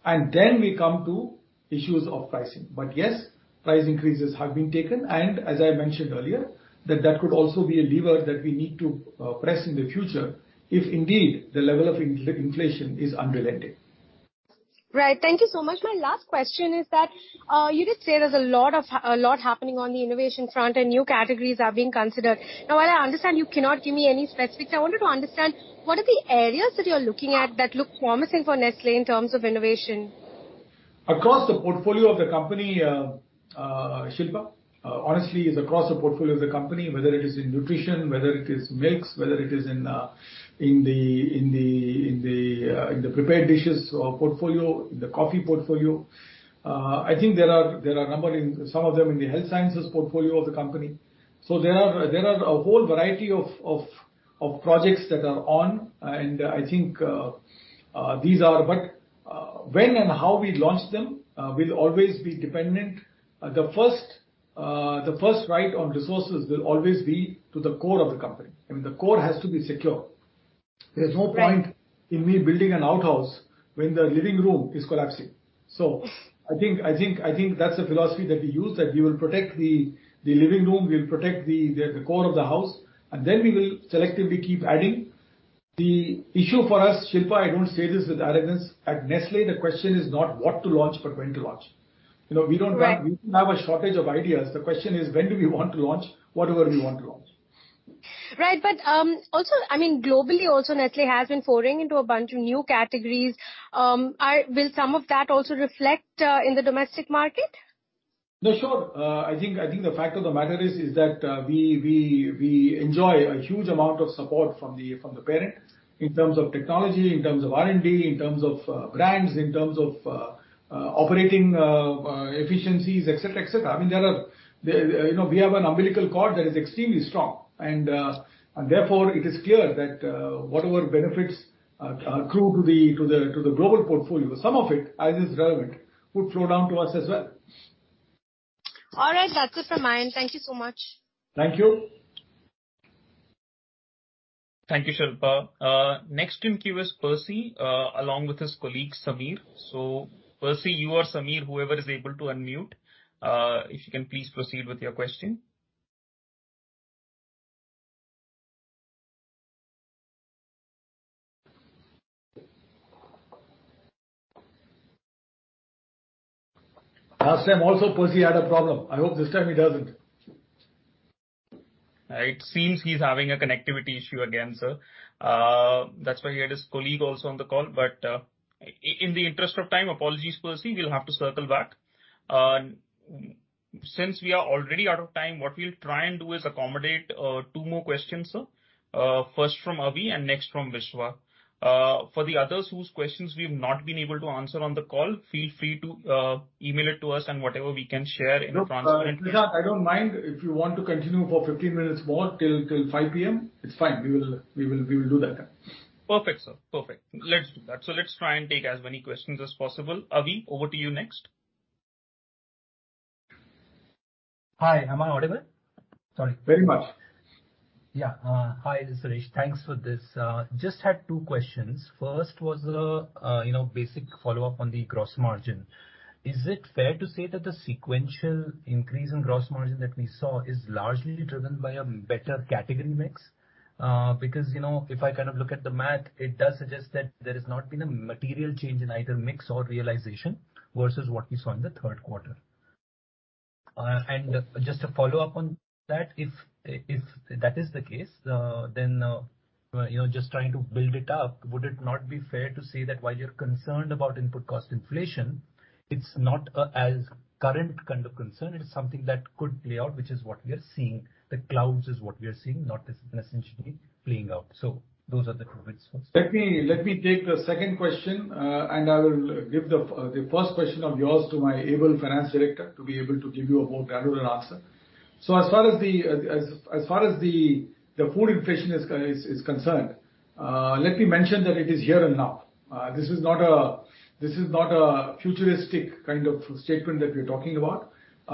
and then we come to issues of pricing. Yes, price increases have been taken, and as I mentioned earlier, that could also be a lever that we need to press in the future if indeed the level of inflation is unrelenting. Right. Thank you so much. My last question is that you did say there's a lot happening on the innovation front and new categories are being considered. Now, while I understand you cannot give me any specifics, I wanted to understand what are the areas that you're looking at that look promising for Nestlé in terms of innovation? Across the portfolio of the company, Shilpa, honestly is across the portfolio of the company, whether it is in nutrition, whether it is mix, whether it is in the prepared dishes or portfolio, in the coffee portfolio. I think there are a number in some of them in the health sciences portfolio of the company. There are a whole variety of projects that are on, and I think these are. When and how we launch them will always be dependent. The first right on resources will always be to the core of the company. I mean, the core has to be secure. Right. There's no point in me building an outhouse when the living room is collapsing. I think that's the philosophy that we use, that we will protect the living room, we'll protect the core of the house, and then we will selectively keep adding. The issue for us, Shilpa, I don't say this with arrogance, at Nestlé, the question is not what to launch, but when to launch. You know, we don't have- Right. We don't have a shortage of ideas. The question is, when do we want to launch whatever we want to launch? Right. Also, I mean, globally also Nestlé has been foraying into a bunch of new categories. Will some of that also reflect in the domestic market? No, sure. I think the fact of the matter is that we enjoy a huge amount of support from the parent in terms of technology, in terms of R&D, in terms of brands, in terms of operating efficiencies, et cetera. I mean, you know, we have an umbilical cord that is extremely strong and therefore it is clear that whatever benefits accrue to the global portfolio, some of it, as is relevant, would flow down to us as well. All right. That's it from my end. Thank you so much. Thank you. Thank you, Shilpa. Next in queue is Percy, along with his colleague, Samir. Percy, you or Samir, whoever is able to unmute, if you can please proceed with your question. Last time also, Percy had a problem. I hope this time he doesn't. It seems he's having a connectivity issue again, sir. That's why he had his colleague also on the call, but, in the interest of time, apologies, Percy, we'll have to circle back. Since we are already out of time, what we'll try and do is accommodate two more questions, sir. First from Avi and next from Vishwa. For the others whose questions we've not been able to answer on the call, feel free to email it to us and whatever we can share in a transparent- Look, Shashank, I don't mind if you want to continue for 15 minutes more till 5 P.M., it's fine. We will do that. Perfect, sir. Perfect. Let's do that. Let's try and take as many questions as possible. Avi, over to you next. Hi. Am I audible? Sorry. Very much. Yeah. Hi, Suresh. Thanks for this. Just had two questions. First was, you know, basic follow-up on the gross margin. Is it fair to say that the sequential increase in gross margin that we saw is largely driven by a better category mix? Because, you know, if I kind of look at the math, it does suggest that there has not been a material change in either mix or realization versus what we saw in the third quarter. Just to follow up on that, if that is the case, then, you know, just trying to build it up, would it not be fair to say that while you're concerned about input cost inflation, it's not as current kind of concern, it's something that could play out, which is what we are seeing. The clouds is what we are seeing, not this necessarily playing out. Those are the two bits first. Let me take the second question, and I will give the first question of yours to my able finance director to be able to give you a more granular answer. As far as the food inflation is concerned, let me mention that it is here and now. This is not a futuristic kind of statement that we're talking about.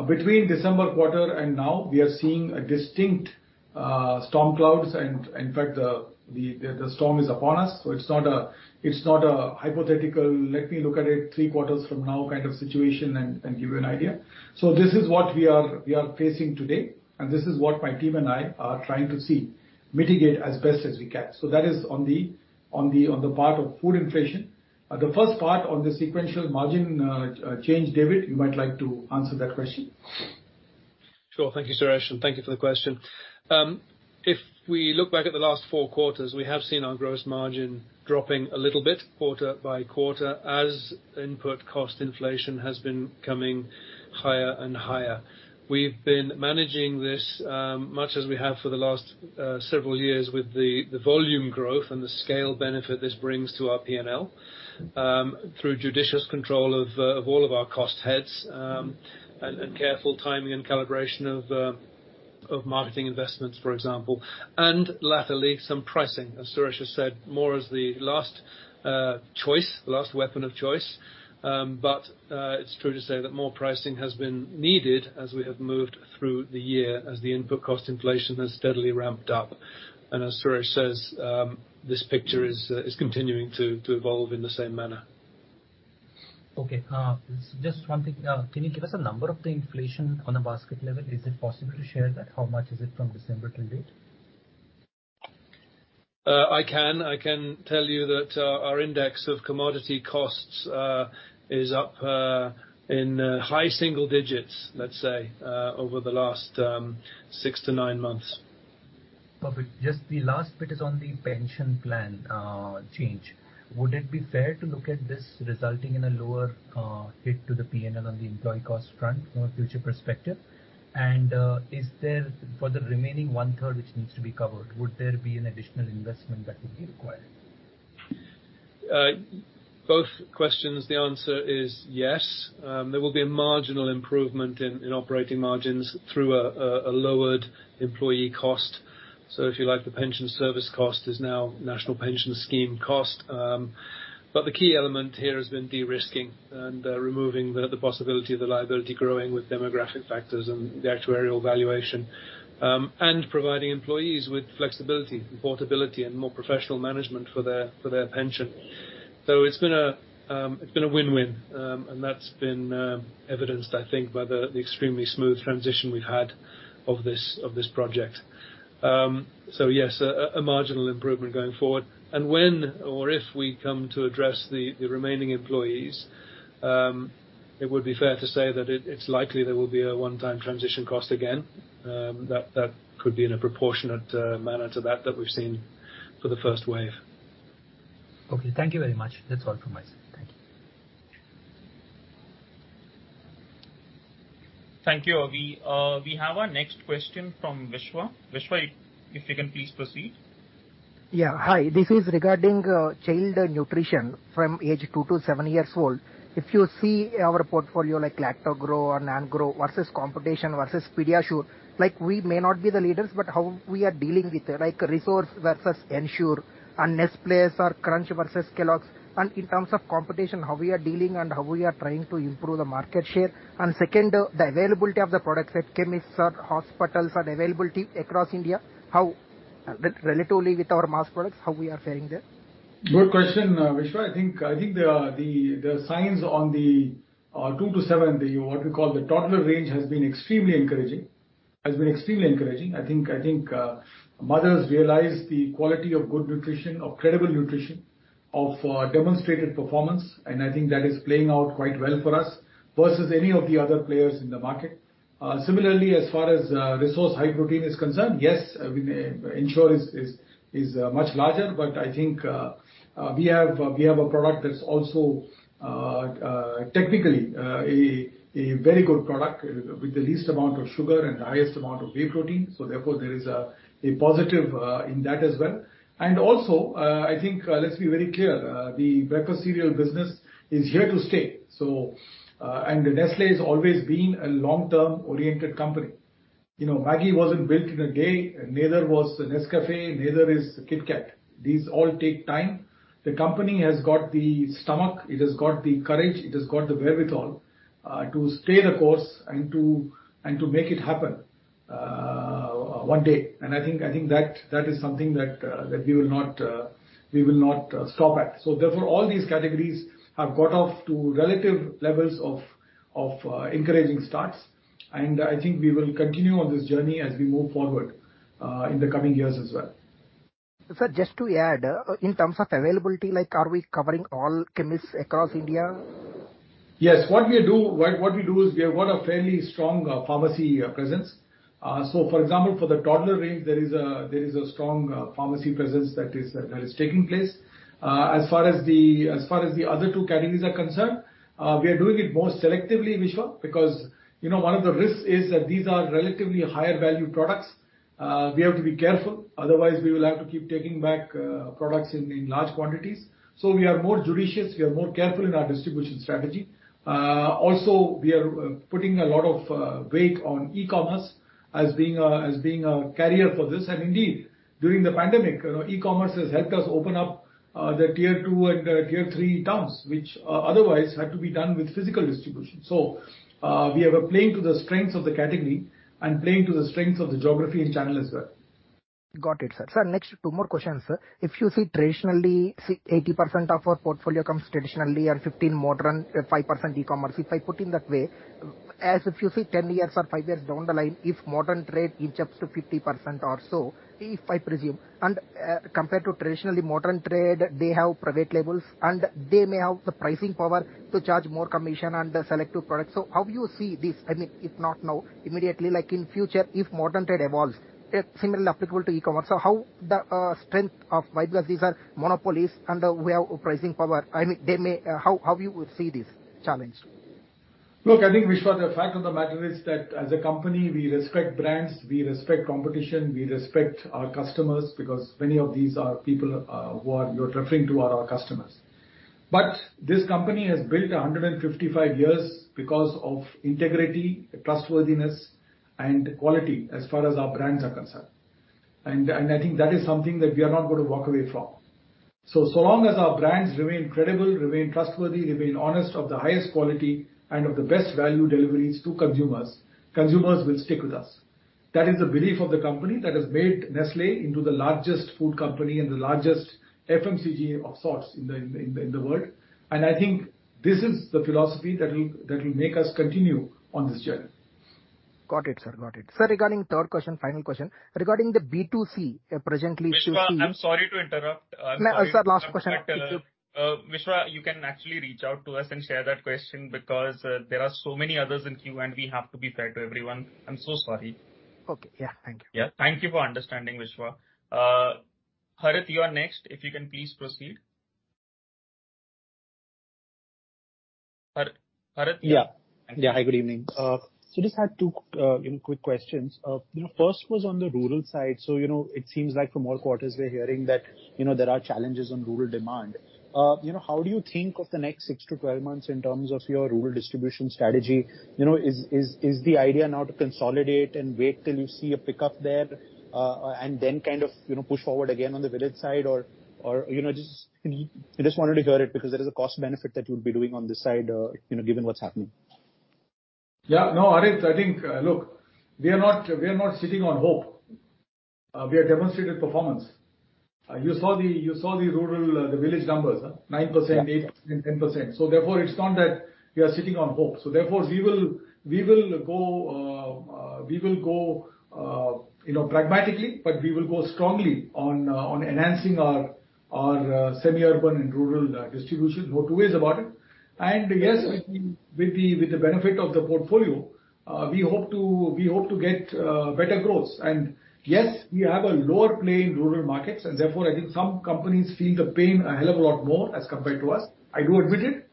Between December quarter and now we are seeing a distinct storm clouds and in fact the storm is upon us, so it's not a hypothetical, let me look at it three quarters from now kind of situation and give you an idea. This is what we are facing today, and this is what my team and I are trying to see, mitigate as best as we can. That is on the part of food inflation. The first part on the sequential margin change, David, you might like to answer that question. Sure. Thank you, Suresh, and thank you for the question. If we look back at the last four quarters, we have seen our gross margin dropping a little bit quarter by quarter as input cost inflation has been coming higher and higher. We've been managing this, much as we have for the last several years with the volume growth and the scale benefit this brings to our P&L, through judicious control of all of our cost heads, and careful timing and calibration of marketing investments, for example, and latterly, some pricing, as Suresh has said, more as the last choice, last weapon of choice. It's true to say that more pricing has been needed as we have moved through the year as the input cost inflation has steadily ramped up. As Suresh says, this picture is continuing to evolve in the same manner. Okay. Just one thing. Can you give us a number of the inflation on a basket level? Is it possible to share that? How much is it from December till date? I can tell you that our index of commodity costs is up in high single digits, let's say, over the last six to nine months. Perfect. Just the last bit is on the pension plan change. Would it be fair to look at this resulting in a lower hit to the P&L on the employee cost front from a future perspective? Is there for the remaining 1/3 which needs to be covered, would there be an additional investment that would be required? Both questions, the answer is yes. There will be a marginal improvement in operating margins through a lowered employee cost. If you like, the pension service cost is now National Pension System cost. The key element here has been de-risking and removing the possibility of the liability growing with demographic factors and the actuarial valuation, and providing employees with flexibility and portability and more professional management for their pension. It's been a win-win, and that's been evidenced, I think, by the extremely smooth transition we've had of this project. Yes, a marginal improvement going forward. When or if we come to address the remaining employees, it would be fair to say that it's likely there will be a one-time transition cost again. That could be in a proportionate manner to that we've seen for the first wave. Okay. Thank you very much. That's all from my side. Thank you. Thank you. We have our next question from Vishwa. Vishwa, if you can please proceed. Yeah. Hi. This is regarding child nutrition from age two to seven years old. If you see our portfolio like LACTOGROW or NAN PRO versus competition versus PediaSure, like, we may not be the leaders, but how we are dealing with, like, Resource versus Ensure and Nestlé or NesPlus versus Kellogg's. In terms of competition, how we are dealing and how we are trying to improve the market share. Second, the availability of the products at chemists or hospitals or the availability across India, how relatively with our mass products, how we are faring there? Good question, Vishwa. I think the signs on the two to seven, what we call the toddler range, has been extremely encouraging. I think mothers realize the quality of good nutrition, of credible nutrition, of demonstrated performance, and I think that is playing out quite well for us versus any of the other players in the market. Similarly, as far as Resource High Protein is concerned, yes, Ensure is much larger, but I think we have a product that's also technically a very good product with the least amount of sugar and the highest amount of whey protein, so therefore there is a positive in that as well. Also, I think, let's be very clear, the breakfast cereal business is here to stay. Nestlé has always been a long-term oriented company. You know, Maggi wasn't built in a day, neither was Nescafé, neither is Kit Kat. These all take time. The company has got the stomach, it has got the courage, it has got the wherewithal to stay the course and to make it happen one day. I think that is something that we will not stop at. Therefore, all these categories have got off to relative levels of encouraging starts. I think we will continue on this journey as we move forward in the coming years as well. Sir, just to add, in terms of availability, like, are we covering all chemists across India? Yes. What we do is we have got a fairly strong pharmacy presence. For example, for the toddler range, there is a strong pharmacy presence that is taking place. As far as the other two categories are concerned, we are doing it more selectively, Vishwa, because, you know, one of the risks is that these are relatively higher value products. We have to be careful, otherwise we will have to keep taking back products in large quantities. We are more judicious, we are more careful in our distribution strategy. Also, we are putting a lot of weight on e-commerce as being a carrier for this. Indeed, during the pandemic, you know, e-commerce has helped us open up the Tier 2 and Tier 3 towns, which otherwise had to be done with physical distribution. We are playing to the strengths of the category and playing to the strengths of the geography and channel as well. Got it, sir. Sir, next two more questions, sir. If you see traditionally, say 80% of our portfolio comes traditionally and 15% modern, 5% e-commerce. If I put in that way, as if you see 10 years or five years down the line, if modern trade inches up to 50% or so, if I presume, and compared to traditionally modern trade, they have private labels, and they may have the pricing power to charge more commission on the selective products. How you see this, I mean, if not now, immediately, like in future, if modern trade evolves, similarly applicable to e-commerce, how the strength of why because these are monopolies and they have pricing power. I mean, they may. How you would see this challenge? Look, I think, Vishwa, the fact of the matter is that as a company, we respect brands, we respect competition, we respect our customers, because many of these people who you're referring to are our customers. This company has built 155 years because of integrity, trustworthiness, and quality as far as our brands are concerned. I think that is something that we are not gonna walk away from. So long as our brands remain credible, remain trustworthy, remain honest, of the highest quality, and of the best value deliveries to consumers will stick with us. That is the belief of the company that has made Nestlé into the largest food company and the largest FMCG of sorts in the world. I think this is the philosophy that will make us continue on this journey. Got it, sir. Sir, regarding third question, final question. Regarding the B2C, presently D2C- Vishwa, I'm sorry to interrupt. No, sir, last question. Vishwa, you can actually reach out to us and share that question because there are so many others in queue, and we have to be fair to everyone. I'm so sorry. Okay. Yeah. Thank you. Yeah. Thank you for understanding, Vishwa. Harit, you are next. If you can please proceed. Harit? Yeah. Thank you. Yeah. Hi, good evening. Just had two, you know, quick questions. You know, first was on the rural side. You know, it seems like from all quarters we're hearing that, you know, there are challenges on rural demand. You know, how do you think of the next six to 12 months in terms of your rural distribution strategy? You know, is the idea now to consolidate and wait till you see a pickup there, and then kind of, you know, push forward again on the village side or, you know, just. Just wanted to hear it because there is a cost benefit that you would be doing on this side, you know, given what's happening. Yeah. No, Harit, I think, look, we are not sitting on hope. We have demonstrated performance. You saw the rural, the village numbers, 9%-10%. It's not that we are sitting on hope. We will go you know, pragmatically, but we will go strongly on enhancing our semi-urban and rural distribution. No two ways about it. Yes, with the benefit of the portfolio, we hope to get better growth. Yes, we have a lower play in rural markets, and therefore, I think some companies feel the pain a hell of a lot more as compared to us, I do admit it.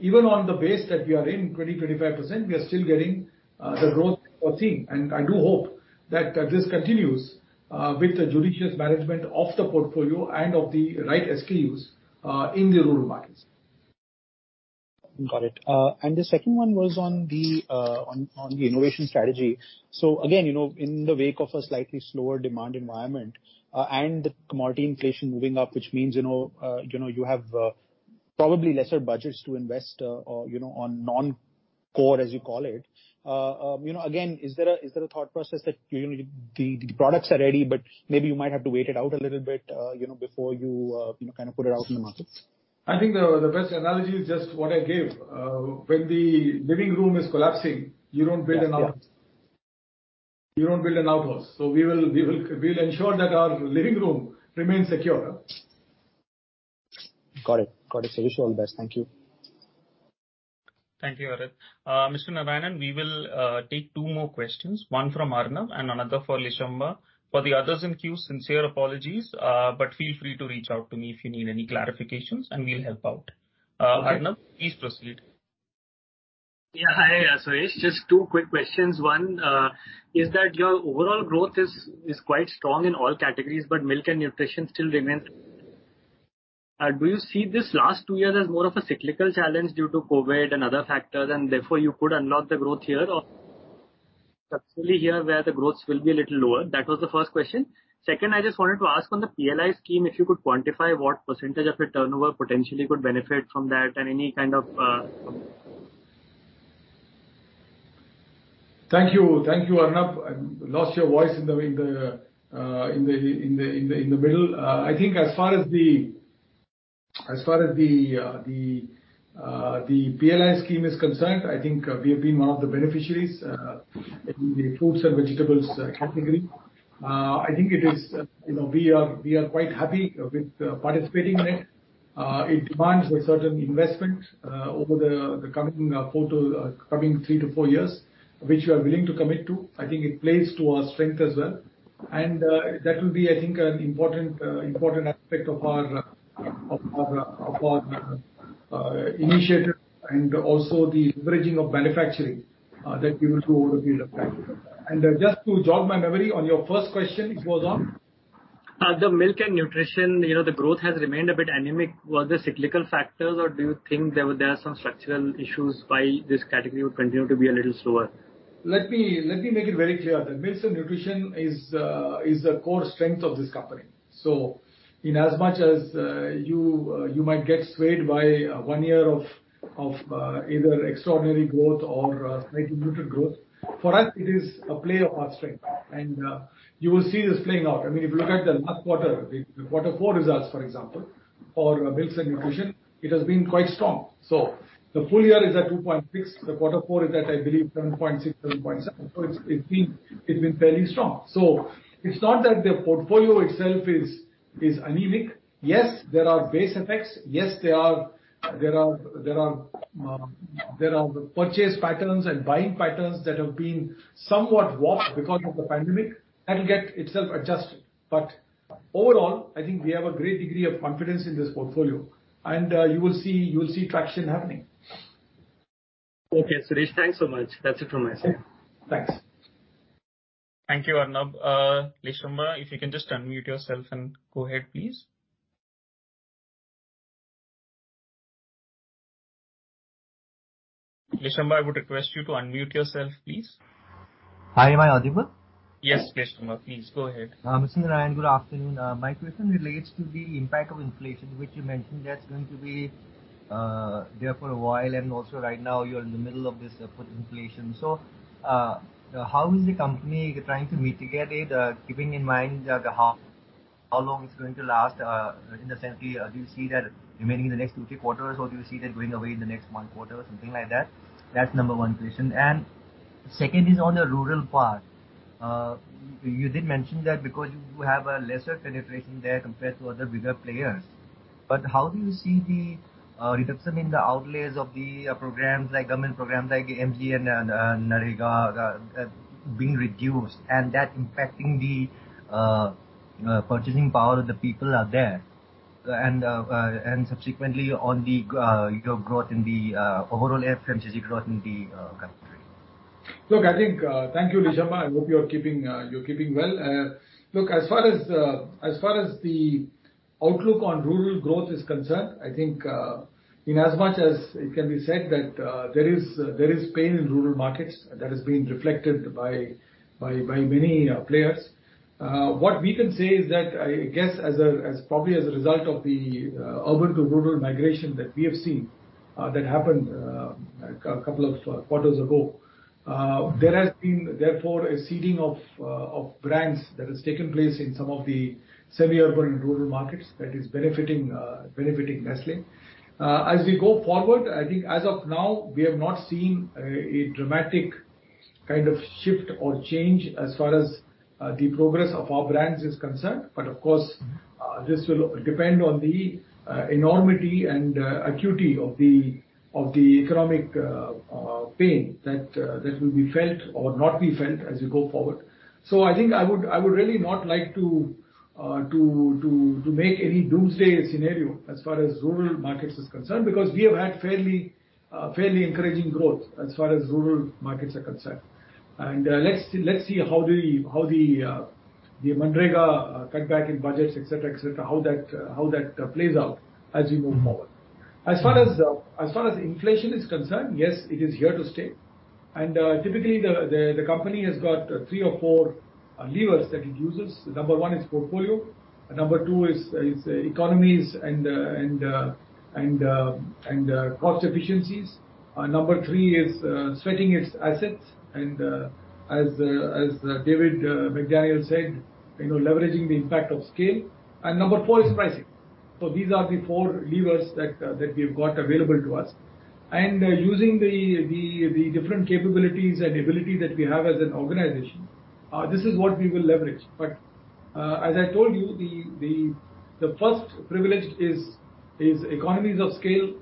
Even on the base that we are in, 25%, we are still getting the growth we're seeing. I do hope that this continues with the judicious management of the portfolio and of the right SKUs in the rural markets. Got it. The second one was on the innovation strategy. Again, you know, in the wake of a slightly slower demand environment, and the commodity inflation moving up, which means, you know, you have probably lesser budgets to invest, or, you know, on non-core, as you call it. You know, again, is there a thought process that, you know, the products are ready, but maybe you might have to wait it out a little bit, you know, before you kind of put it out in the markets? I think the best analogy is just what I gave. When the living room is collapsing, you don't build an outhouse. Yes, yeah. You don't build an outhouse. We'll ensure that our living room remains secure. Got it, sir. Wish you all the best. Thank you. Thank you, Harit. Mr. Narayanan, we will take two more questions, one from Arvind and another for Lishamba. For the others in queue, sincere apologies, but feel free to reach out to me if you need any clarifications, and we'll help out. Okay. Arvind, please proceed. Yeah. Hi, Suresh. Just two quick questions. One, your overall growth is quite strong in all categories, but milk and nutrition still remains. Do you see this last two years as more of a cyclical challenge due to COVID and other factors, and therefore you could unlock the growth here or structurally here where the growth will be a little lower? That was the first question. Second, I just wanted to ask on the PLI scheme, if you could quantify what percentage of your turnover potentially could benefit from that and any kind of- Thank you, Arvind. Lost your voice in the middle. I think as far as the PLI scheme is concerned, I think we have been one of the beneficiaries in the fruits and vegetables category. I think it is, you know, we are quite happy with participating in it. It demands a certain investment over the coming three to four years, which we are willing to commit to. I think it plays to our strength as well. That will be, I think, an important aspect of our initiative and also the leveraging of manufacturing that we will do over the period of time. Just to jog my memory on your first question, it was on? The milk and nutrition, you know, the growth has remained a bit anemic. Were there cyclical factors, or do you think there are some structural issues why this category would continue to be a little slower? Let me make it very clear that Milk and Nutrition is a core strength of this company. In as much as you might get swayed by one year of either extraordinary growth or slightly muted growth, for us it is a play of our strength. You will see this playing out. I mean, if you look at the last quarter, the quarter four results, for example, for Milk and Nutrition, it has been quite strong. The full year is at 2.6%. The quarter four is at, I believe, 7.6%-7.7%. It's been fairly strong. It's not that the portfolio itself is anemic. Yes, there are base effects. Yes, there are purchase patterns and buying patterns that have been somewhat warped because of the pandemic. That'll get itself adjusted. But overall, I think we have a great degree of confidence in this portfolio. You will see traction happening. Okay. Suresh, thanks so much. That's it from my side. Thanks. Thank you, Arvind. Lishamba, if you can just unmute yourself and go ahead, please. Lishamba, I would request you to unmute yourself, please. Hi, am I audible? Yes, Lishamba. Please go ahead. Mr. Narayanan, good afternoon. My question relates to the impact of inflation, which you mentioned that's going to be there for a while, and also right now you are in the middle of this input inflation. How is the company trying to mitigate it, keeping in mind how long it's going to last? In the sense, do you see that remaining in the next two, three quarters, or do you see that going away in the next one quarter or something like that? That's number one question. Second is on the rural part. You did mention that because you have a lesser penetration there compared to other bigger players. How do you see the reduction in the outlays of the programs like government programs like MGNREGA being reduced and that impacting the purchasing power of the people out there, and subsequently on your growth in the overall rural franchise growth in the country? Look, I think, thank you, Lishamba. I hope you're keeping well. Look, as far as the outlook on rural growth is concerned, I think, in as much as it can be said that there is pain in rural markets, that has been reflected by many players. What we can say is that, I guess as probably as a result of the urban to rural migration that we have seen, that happened a couple of quarters ago, there has been therefore a seeding of brands that has taken place in some of the semi-urban and rural markets that is benefiting Nestlé. As we go forward, I think as of now, we have not seen a dramatic kind of shift or change as far as the progress of our brands is concerned. Of course, this will depend on the enormity and acuity of the economic pain that will be felt or not be felt as we go forward. I think I would really not like to make any doomsday scenario as far as rural markets is concerned, because we have had fairly encouraging growth as far as rural markets are concerned. Let's see how the MGNREGA cutback in budgets, et cetera, how that plays out as we move forward. As far as inflation is concerned, yes, it is here to stay. Typically the company has got three or four levers that it uses. Number one is portfolio. Number two is economies and cost efficiencies. Number three is sweating its assets and, as David McDaniel said, you know, leveraging the impact of scale. Number four is pricing. These are the four levers that we've got available to us. Using the different capabilities and ability that we have as an organization, this is what we will leverage. As I told you, the first privilege is economies of scale,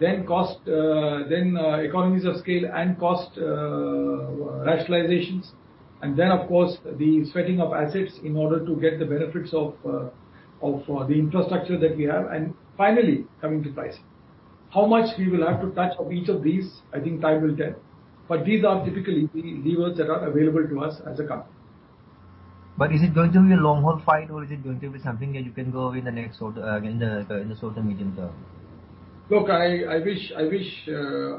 then cost, then economies of scale and cost rationalizations. Then of course, the sweating of assets in order to get the benefits of the infrastructure that we have. Finally, coming to pricing. How much we will have to touch of each of these, I think time will tell. These are typically the levers that are available to us as a company. Is it going to be a long-haul fight or is it going to be something that can go away in the short or medium term? Look, I wish I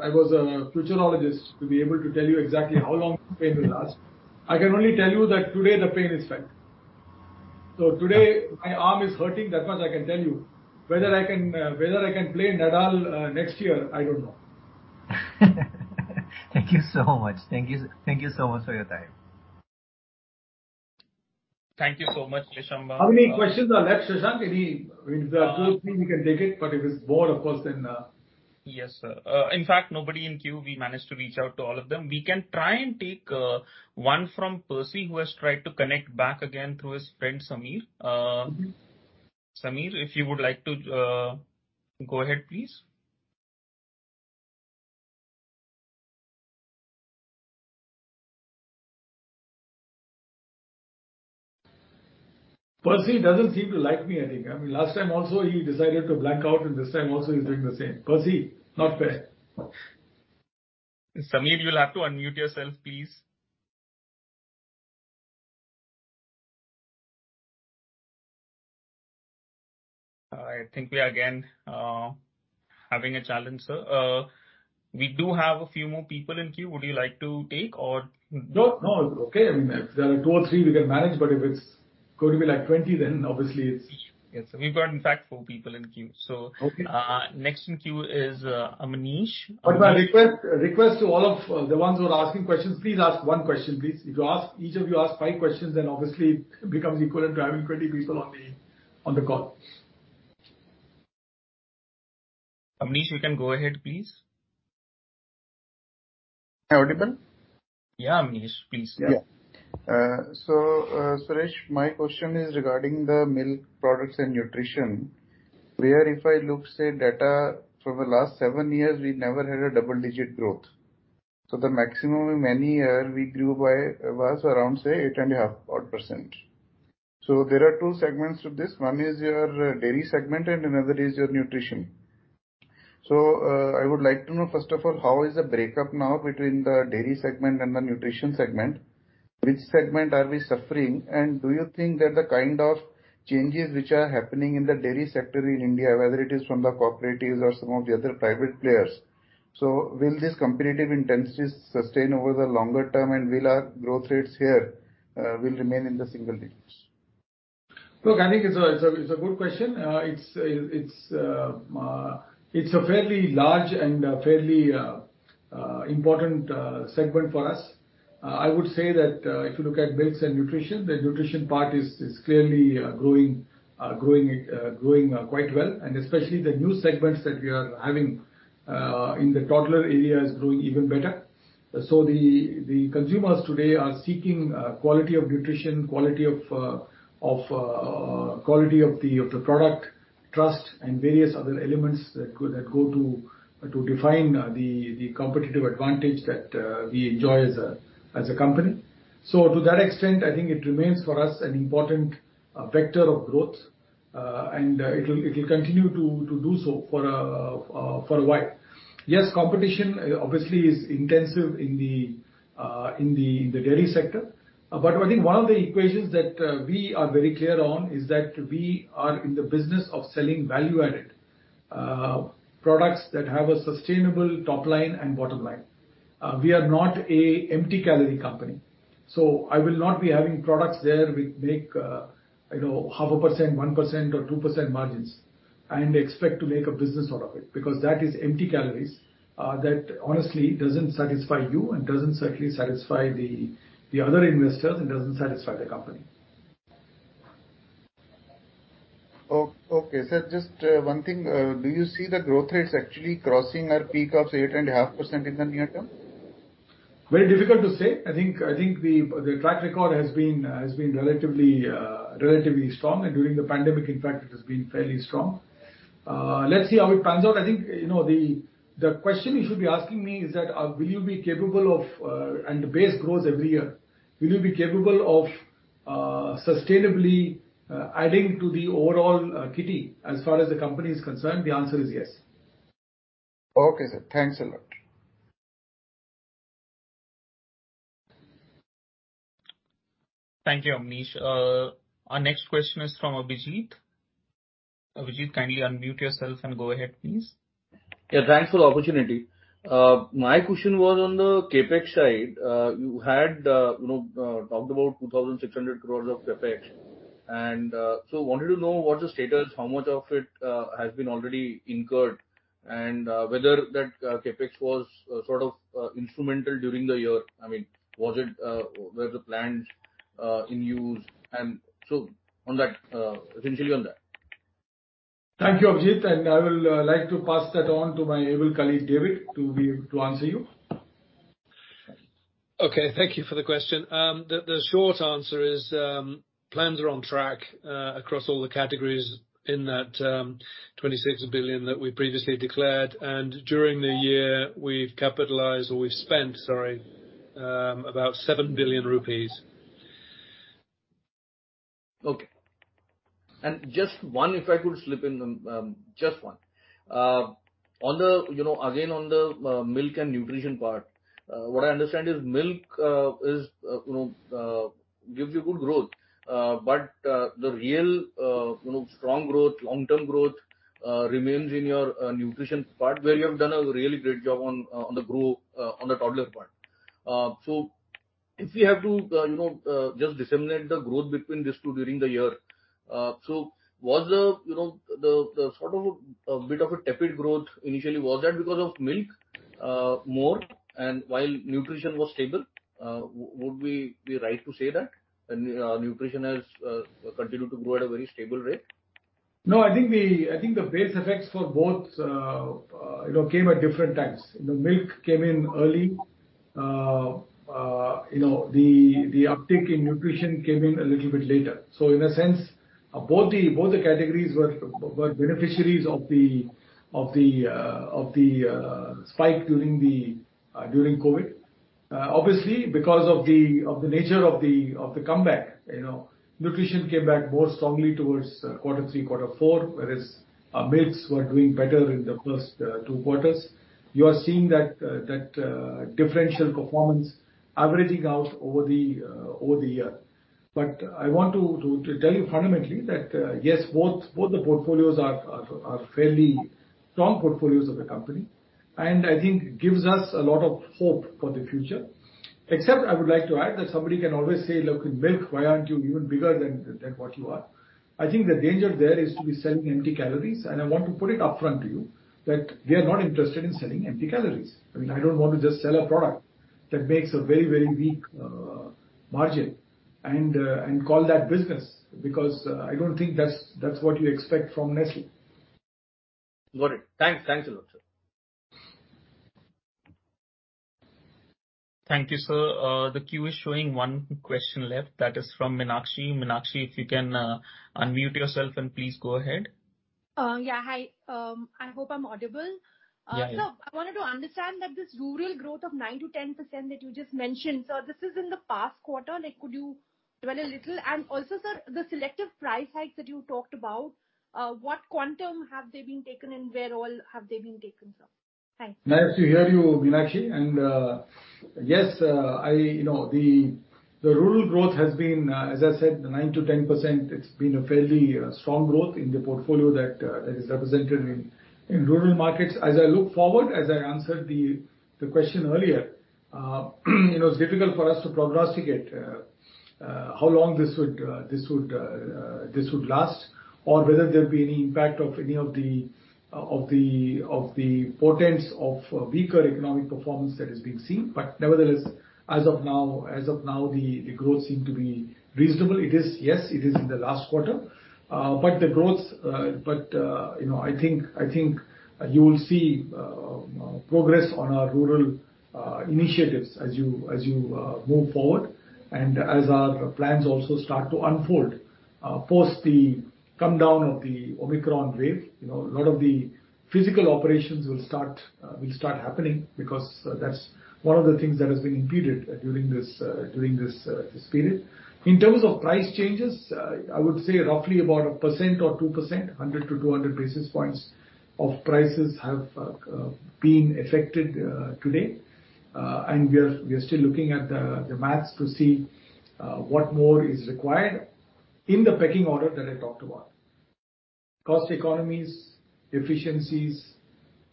was a futurologist to be able to tell you exactly how long the pain will last. I can only tell you that today the pain is felt. Today my arm is hurting, that much I can tell you. Whether I can play Nadal next year, I don't know. Thank you so much. Thank you, thank you so much for your time. Thank you so much, Lishamba. How many questions are left, Shashank? If there are two or three, we can take it, but if it's more, of course, then. Yes, sir. In fact, nobody in queue, we managed to reach out to all of them. We can try and take one from Percy, who has tried to connect back again through his friend Samir. Samir, if you would like to go ahead, please. Percy doesn't seem to like me, I think. I mean, last time also, he decided to black out, and this time also he's doing the same. Percy, not fair. Samir, you'll have to unmute yourself, please. I think we are again having a challenge, sir. We do have a few more people in queue. Would you like to take or- No, no. It's okay. I mean, if there are two or three, we can manage, but if it's going to be like 20, then obviously it's. Yes, we've got in fact four people in queue. Okay. Next in queue is Manish. My request to all of the ones who are asking questions, please ask one question, please. If you ask, each of you ask five questions, then obviously it becomes equivalent to having 20 people on the call. Manish, you can go ahead, please. Am I audible? Yeah, Manish. Please. Yeah. My question is regarding the milk products and nutrition, where if I look, say, data from the last seven years, we never had double-digit growth. The maximum in any year we grew by was around, say, 8.5%. There are two segments to this. One is your dairy segment and another is your nutrition. I would like to know, first of all, how is the breakup now between the dairy segment and the nutrition segment? Which segment are we suffering? Do you think that the kind of changes which are happening in the dairy sector in India, whether it is from the cooperatives or some of the other private players? Will this competitive intensity sustain over the longer term, and will our growth rates here remain in the single digits? Look, I think it's a good question. It's a fairly large and fairly important segment for us. I would say that if you look at milks and nutrition, the nutrition part is clearly growing quite well, and especially the new segments that we are having in the toddler area is growing even better. The consumers today are seeking quality of nutrition, quality of the product, trust and various other elements that go to define the competitive advantage that we enjoy as a company. To that extent, I think it remains for us an important vector of growth. It'll continue to do so for a while. Yes, competition obviously is intensive in the dairy sector. I think one of the equations that we are very clear on is that we are in the business of selling value-added products that have a sustainable top line and bottom line. We are not a empty calorie company, so I will not be having products there which make, you know, 0.5%, 1% or 2% margins and expect to make a business out of it, because that is empty calories that honestly doesn't satisfy you and doesn't certainly satisfy the other investors and doesn't satisfy the company. Okay, sir. Just one thing. Do you see the growth rates actually crossing our peak of 8.5% in the near term? Very difficult to say. I think the track record has been relatively strong. During the pandemic, in fact, it has been fairly strong. Let's see how it pans out. I think, you know, the question you should be asking me is that will you be capable of and the base grows every year. Will you be capable of sustainably adding to the overall kitty as far as the company is concerned? The answer is yes. Okay, sir. Thanks a lot. Thank you, Manish. Our next question is from Abhijeet. Abhijeet, kindly unmute yourself and go ahead please. Yeah, thanks for the opportunity. My question was on the CapEx side. You had, you know, talked about 2,600 crore of CapEx and so wanted to know what's the status, how much of it has been already incurred, and whether that CapEx was sort of instrumental during the year. I mean, was it were the plans in use? And so on that essentially on that. Thank you, Abhijeet, and I will like to pass that on to my able colleague, David, to answer you. Okay. Thank you for the question. The short answer is, plans are on track across all the categories in that 26 billion that we previously declared. During the year, we've spent, sorry, about 7 billion rupees. Okay. Just one, if I could slip in. You know, again, on the milk and nutrition part, what I understand is milk is you know gives you good growth. The real you know strong growth, long-term growth remains in your nutrition part, where you have done a really great job on the toddler part. If we have to you know just disseminate the growth between these two during the year. Was the you know the sort of a bit of a tepid growth initially because of milk more and while nutrition was stable? Would we be right to say that? Nutrition has continued to grow at a very stable rate. No, I think the base effects for both, you know, came at different times. The milk came in early. You know, the uptick in nutrition came in a little bit later. In a sense, both the categories were beneficiaries of the spike during COVID. Obviously, because of the nature of the comeback, you know, nutrition came back more strongly towards quarter three, quarter four, whereas our milks were doing better in the first two quarters. You are seeing that differential performance averaging out over the year. I want to tell you fundamentally that, yes, both the portfolios are fairly strong portfolios of the company, and I think gives us a lot of hope for the future. Except I would like to add that somebody can always say, "Look, with milk, why aren't you even bigger than what you are?" I think the danger there is to be selling empty calories, and I want to put it upfront to you that we are not interested in selling empty calories. I mean, I don't want to just sell a product that makes a very weak margin and call that business because I don't think that's what you expect from Nestlé. Got it. Thanks. Thanks a lot, sir. Thank you, sir. The queue is showing one question left. That is from Meenakshi. Meenakshi, if you can, unmute yourself and please go ahead. Yeah. Hi. I hope I'm audible. Yeah, yeah. I wanted to understand that this rural growth of 9%-10% that you just mentioned, so this is in the past quarter. Like, could you dwell a little? Also, sir, the selective price hikes that you talked about, what quantum have they been taken and where all have they been taken, sir? Nice to hear you, Meenakshi. Yes, you know, the rural growth has been, as I said, 9%-10%. It's been a fairly strong growth in the portfolio that is represented in rural markets. As I look forward, as I answered the question earlier, you know, it's difficult for us to prognosticate how long this would last or whether there'll be any impact of any of the portents of weaker economic performance that is being seen. Nevertheless, as of now, the growth seem to be reasonable. It is. Yes, it is in the last quarter. You know, I think you will see progress on our rural initiatives as you move forward and as our plans also start to unfold. Post the come down of the Omicron wave, you know, a lot of the physical operations will start happening because that's one of the things that has been impeded during this period. In terms of price changes, I would say roughly about 1% or 2%, 100-200 basis points of prices have been affected today. We are still looking at the math to see what more is required in the pecking order that I talked about. Cost economies, efficiencies,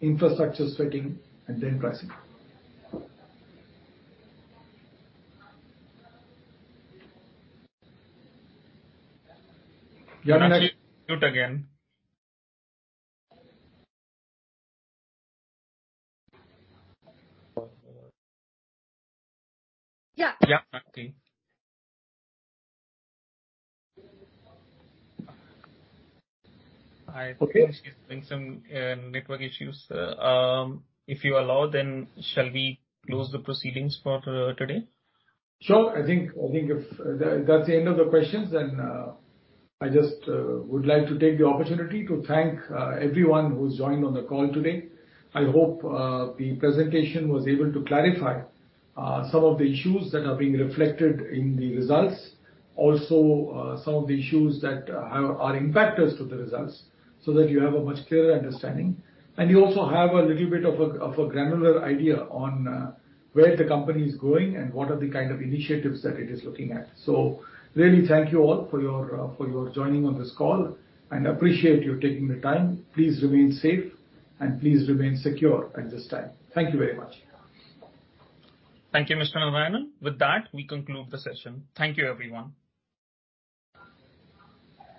infrastructure sweating and then pricing. Meenakshi, mute again. Yeah. Yeah. Okay. I think- Okay. Meenakshi is facing some network issues. If you allow, then shall we close the proceedings for today? Sure. I think if that's the end of the questions, then I just would like to take the opportunity to thank everyone who's joined on the call today. I hope the presentation was able to clarify some of the issues that are being reflected in the results. Also, some of the issues that are impactors to the results, so that you have a much clearer understanding. You also have a little bit of a granular idea on where the company is going and what are the kind of initiatives that it is looking at. Really thank you all for your joining on this call, and appreciate you taking the time. Please remain safe and please remain secure at this time. Thank you very much. Thank you, Mr. Narayanan. With that, we conclude the session. Thank you, everyone.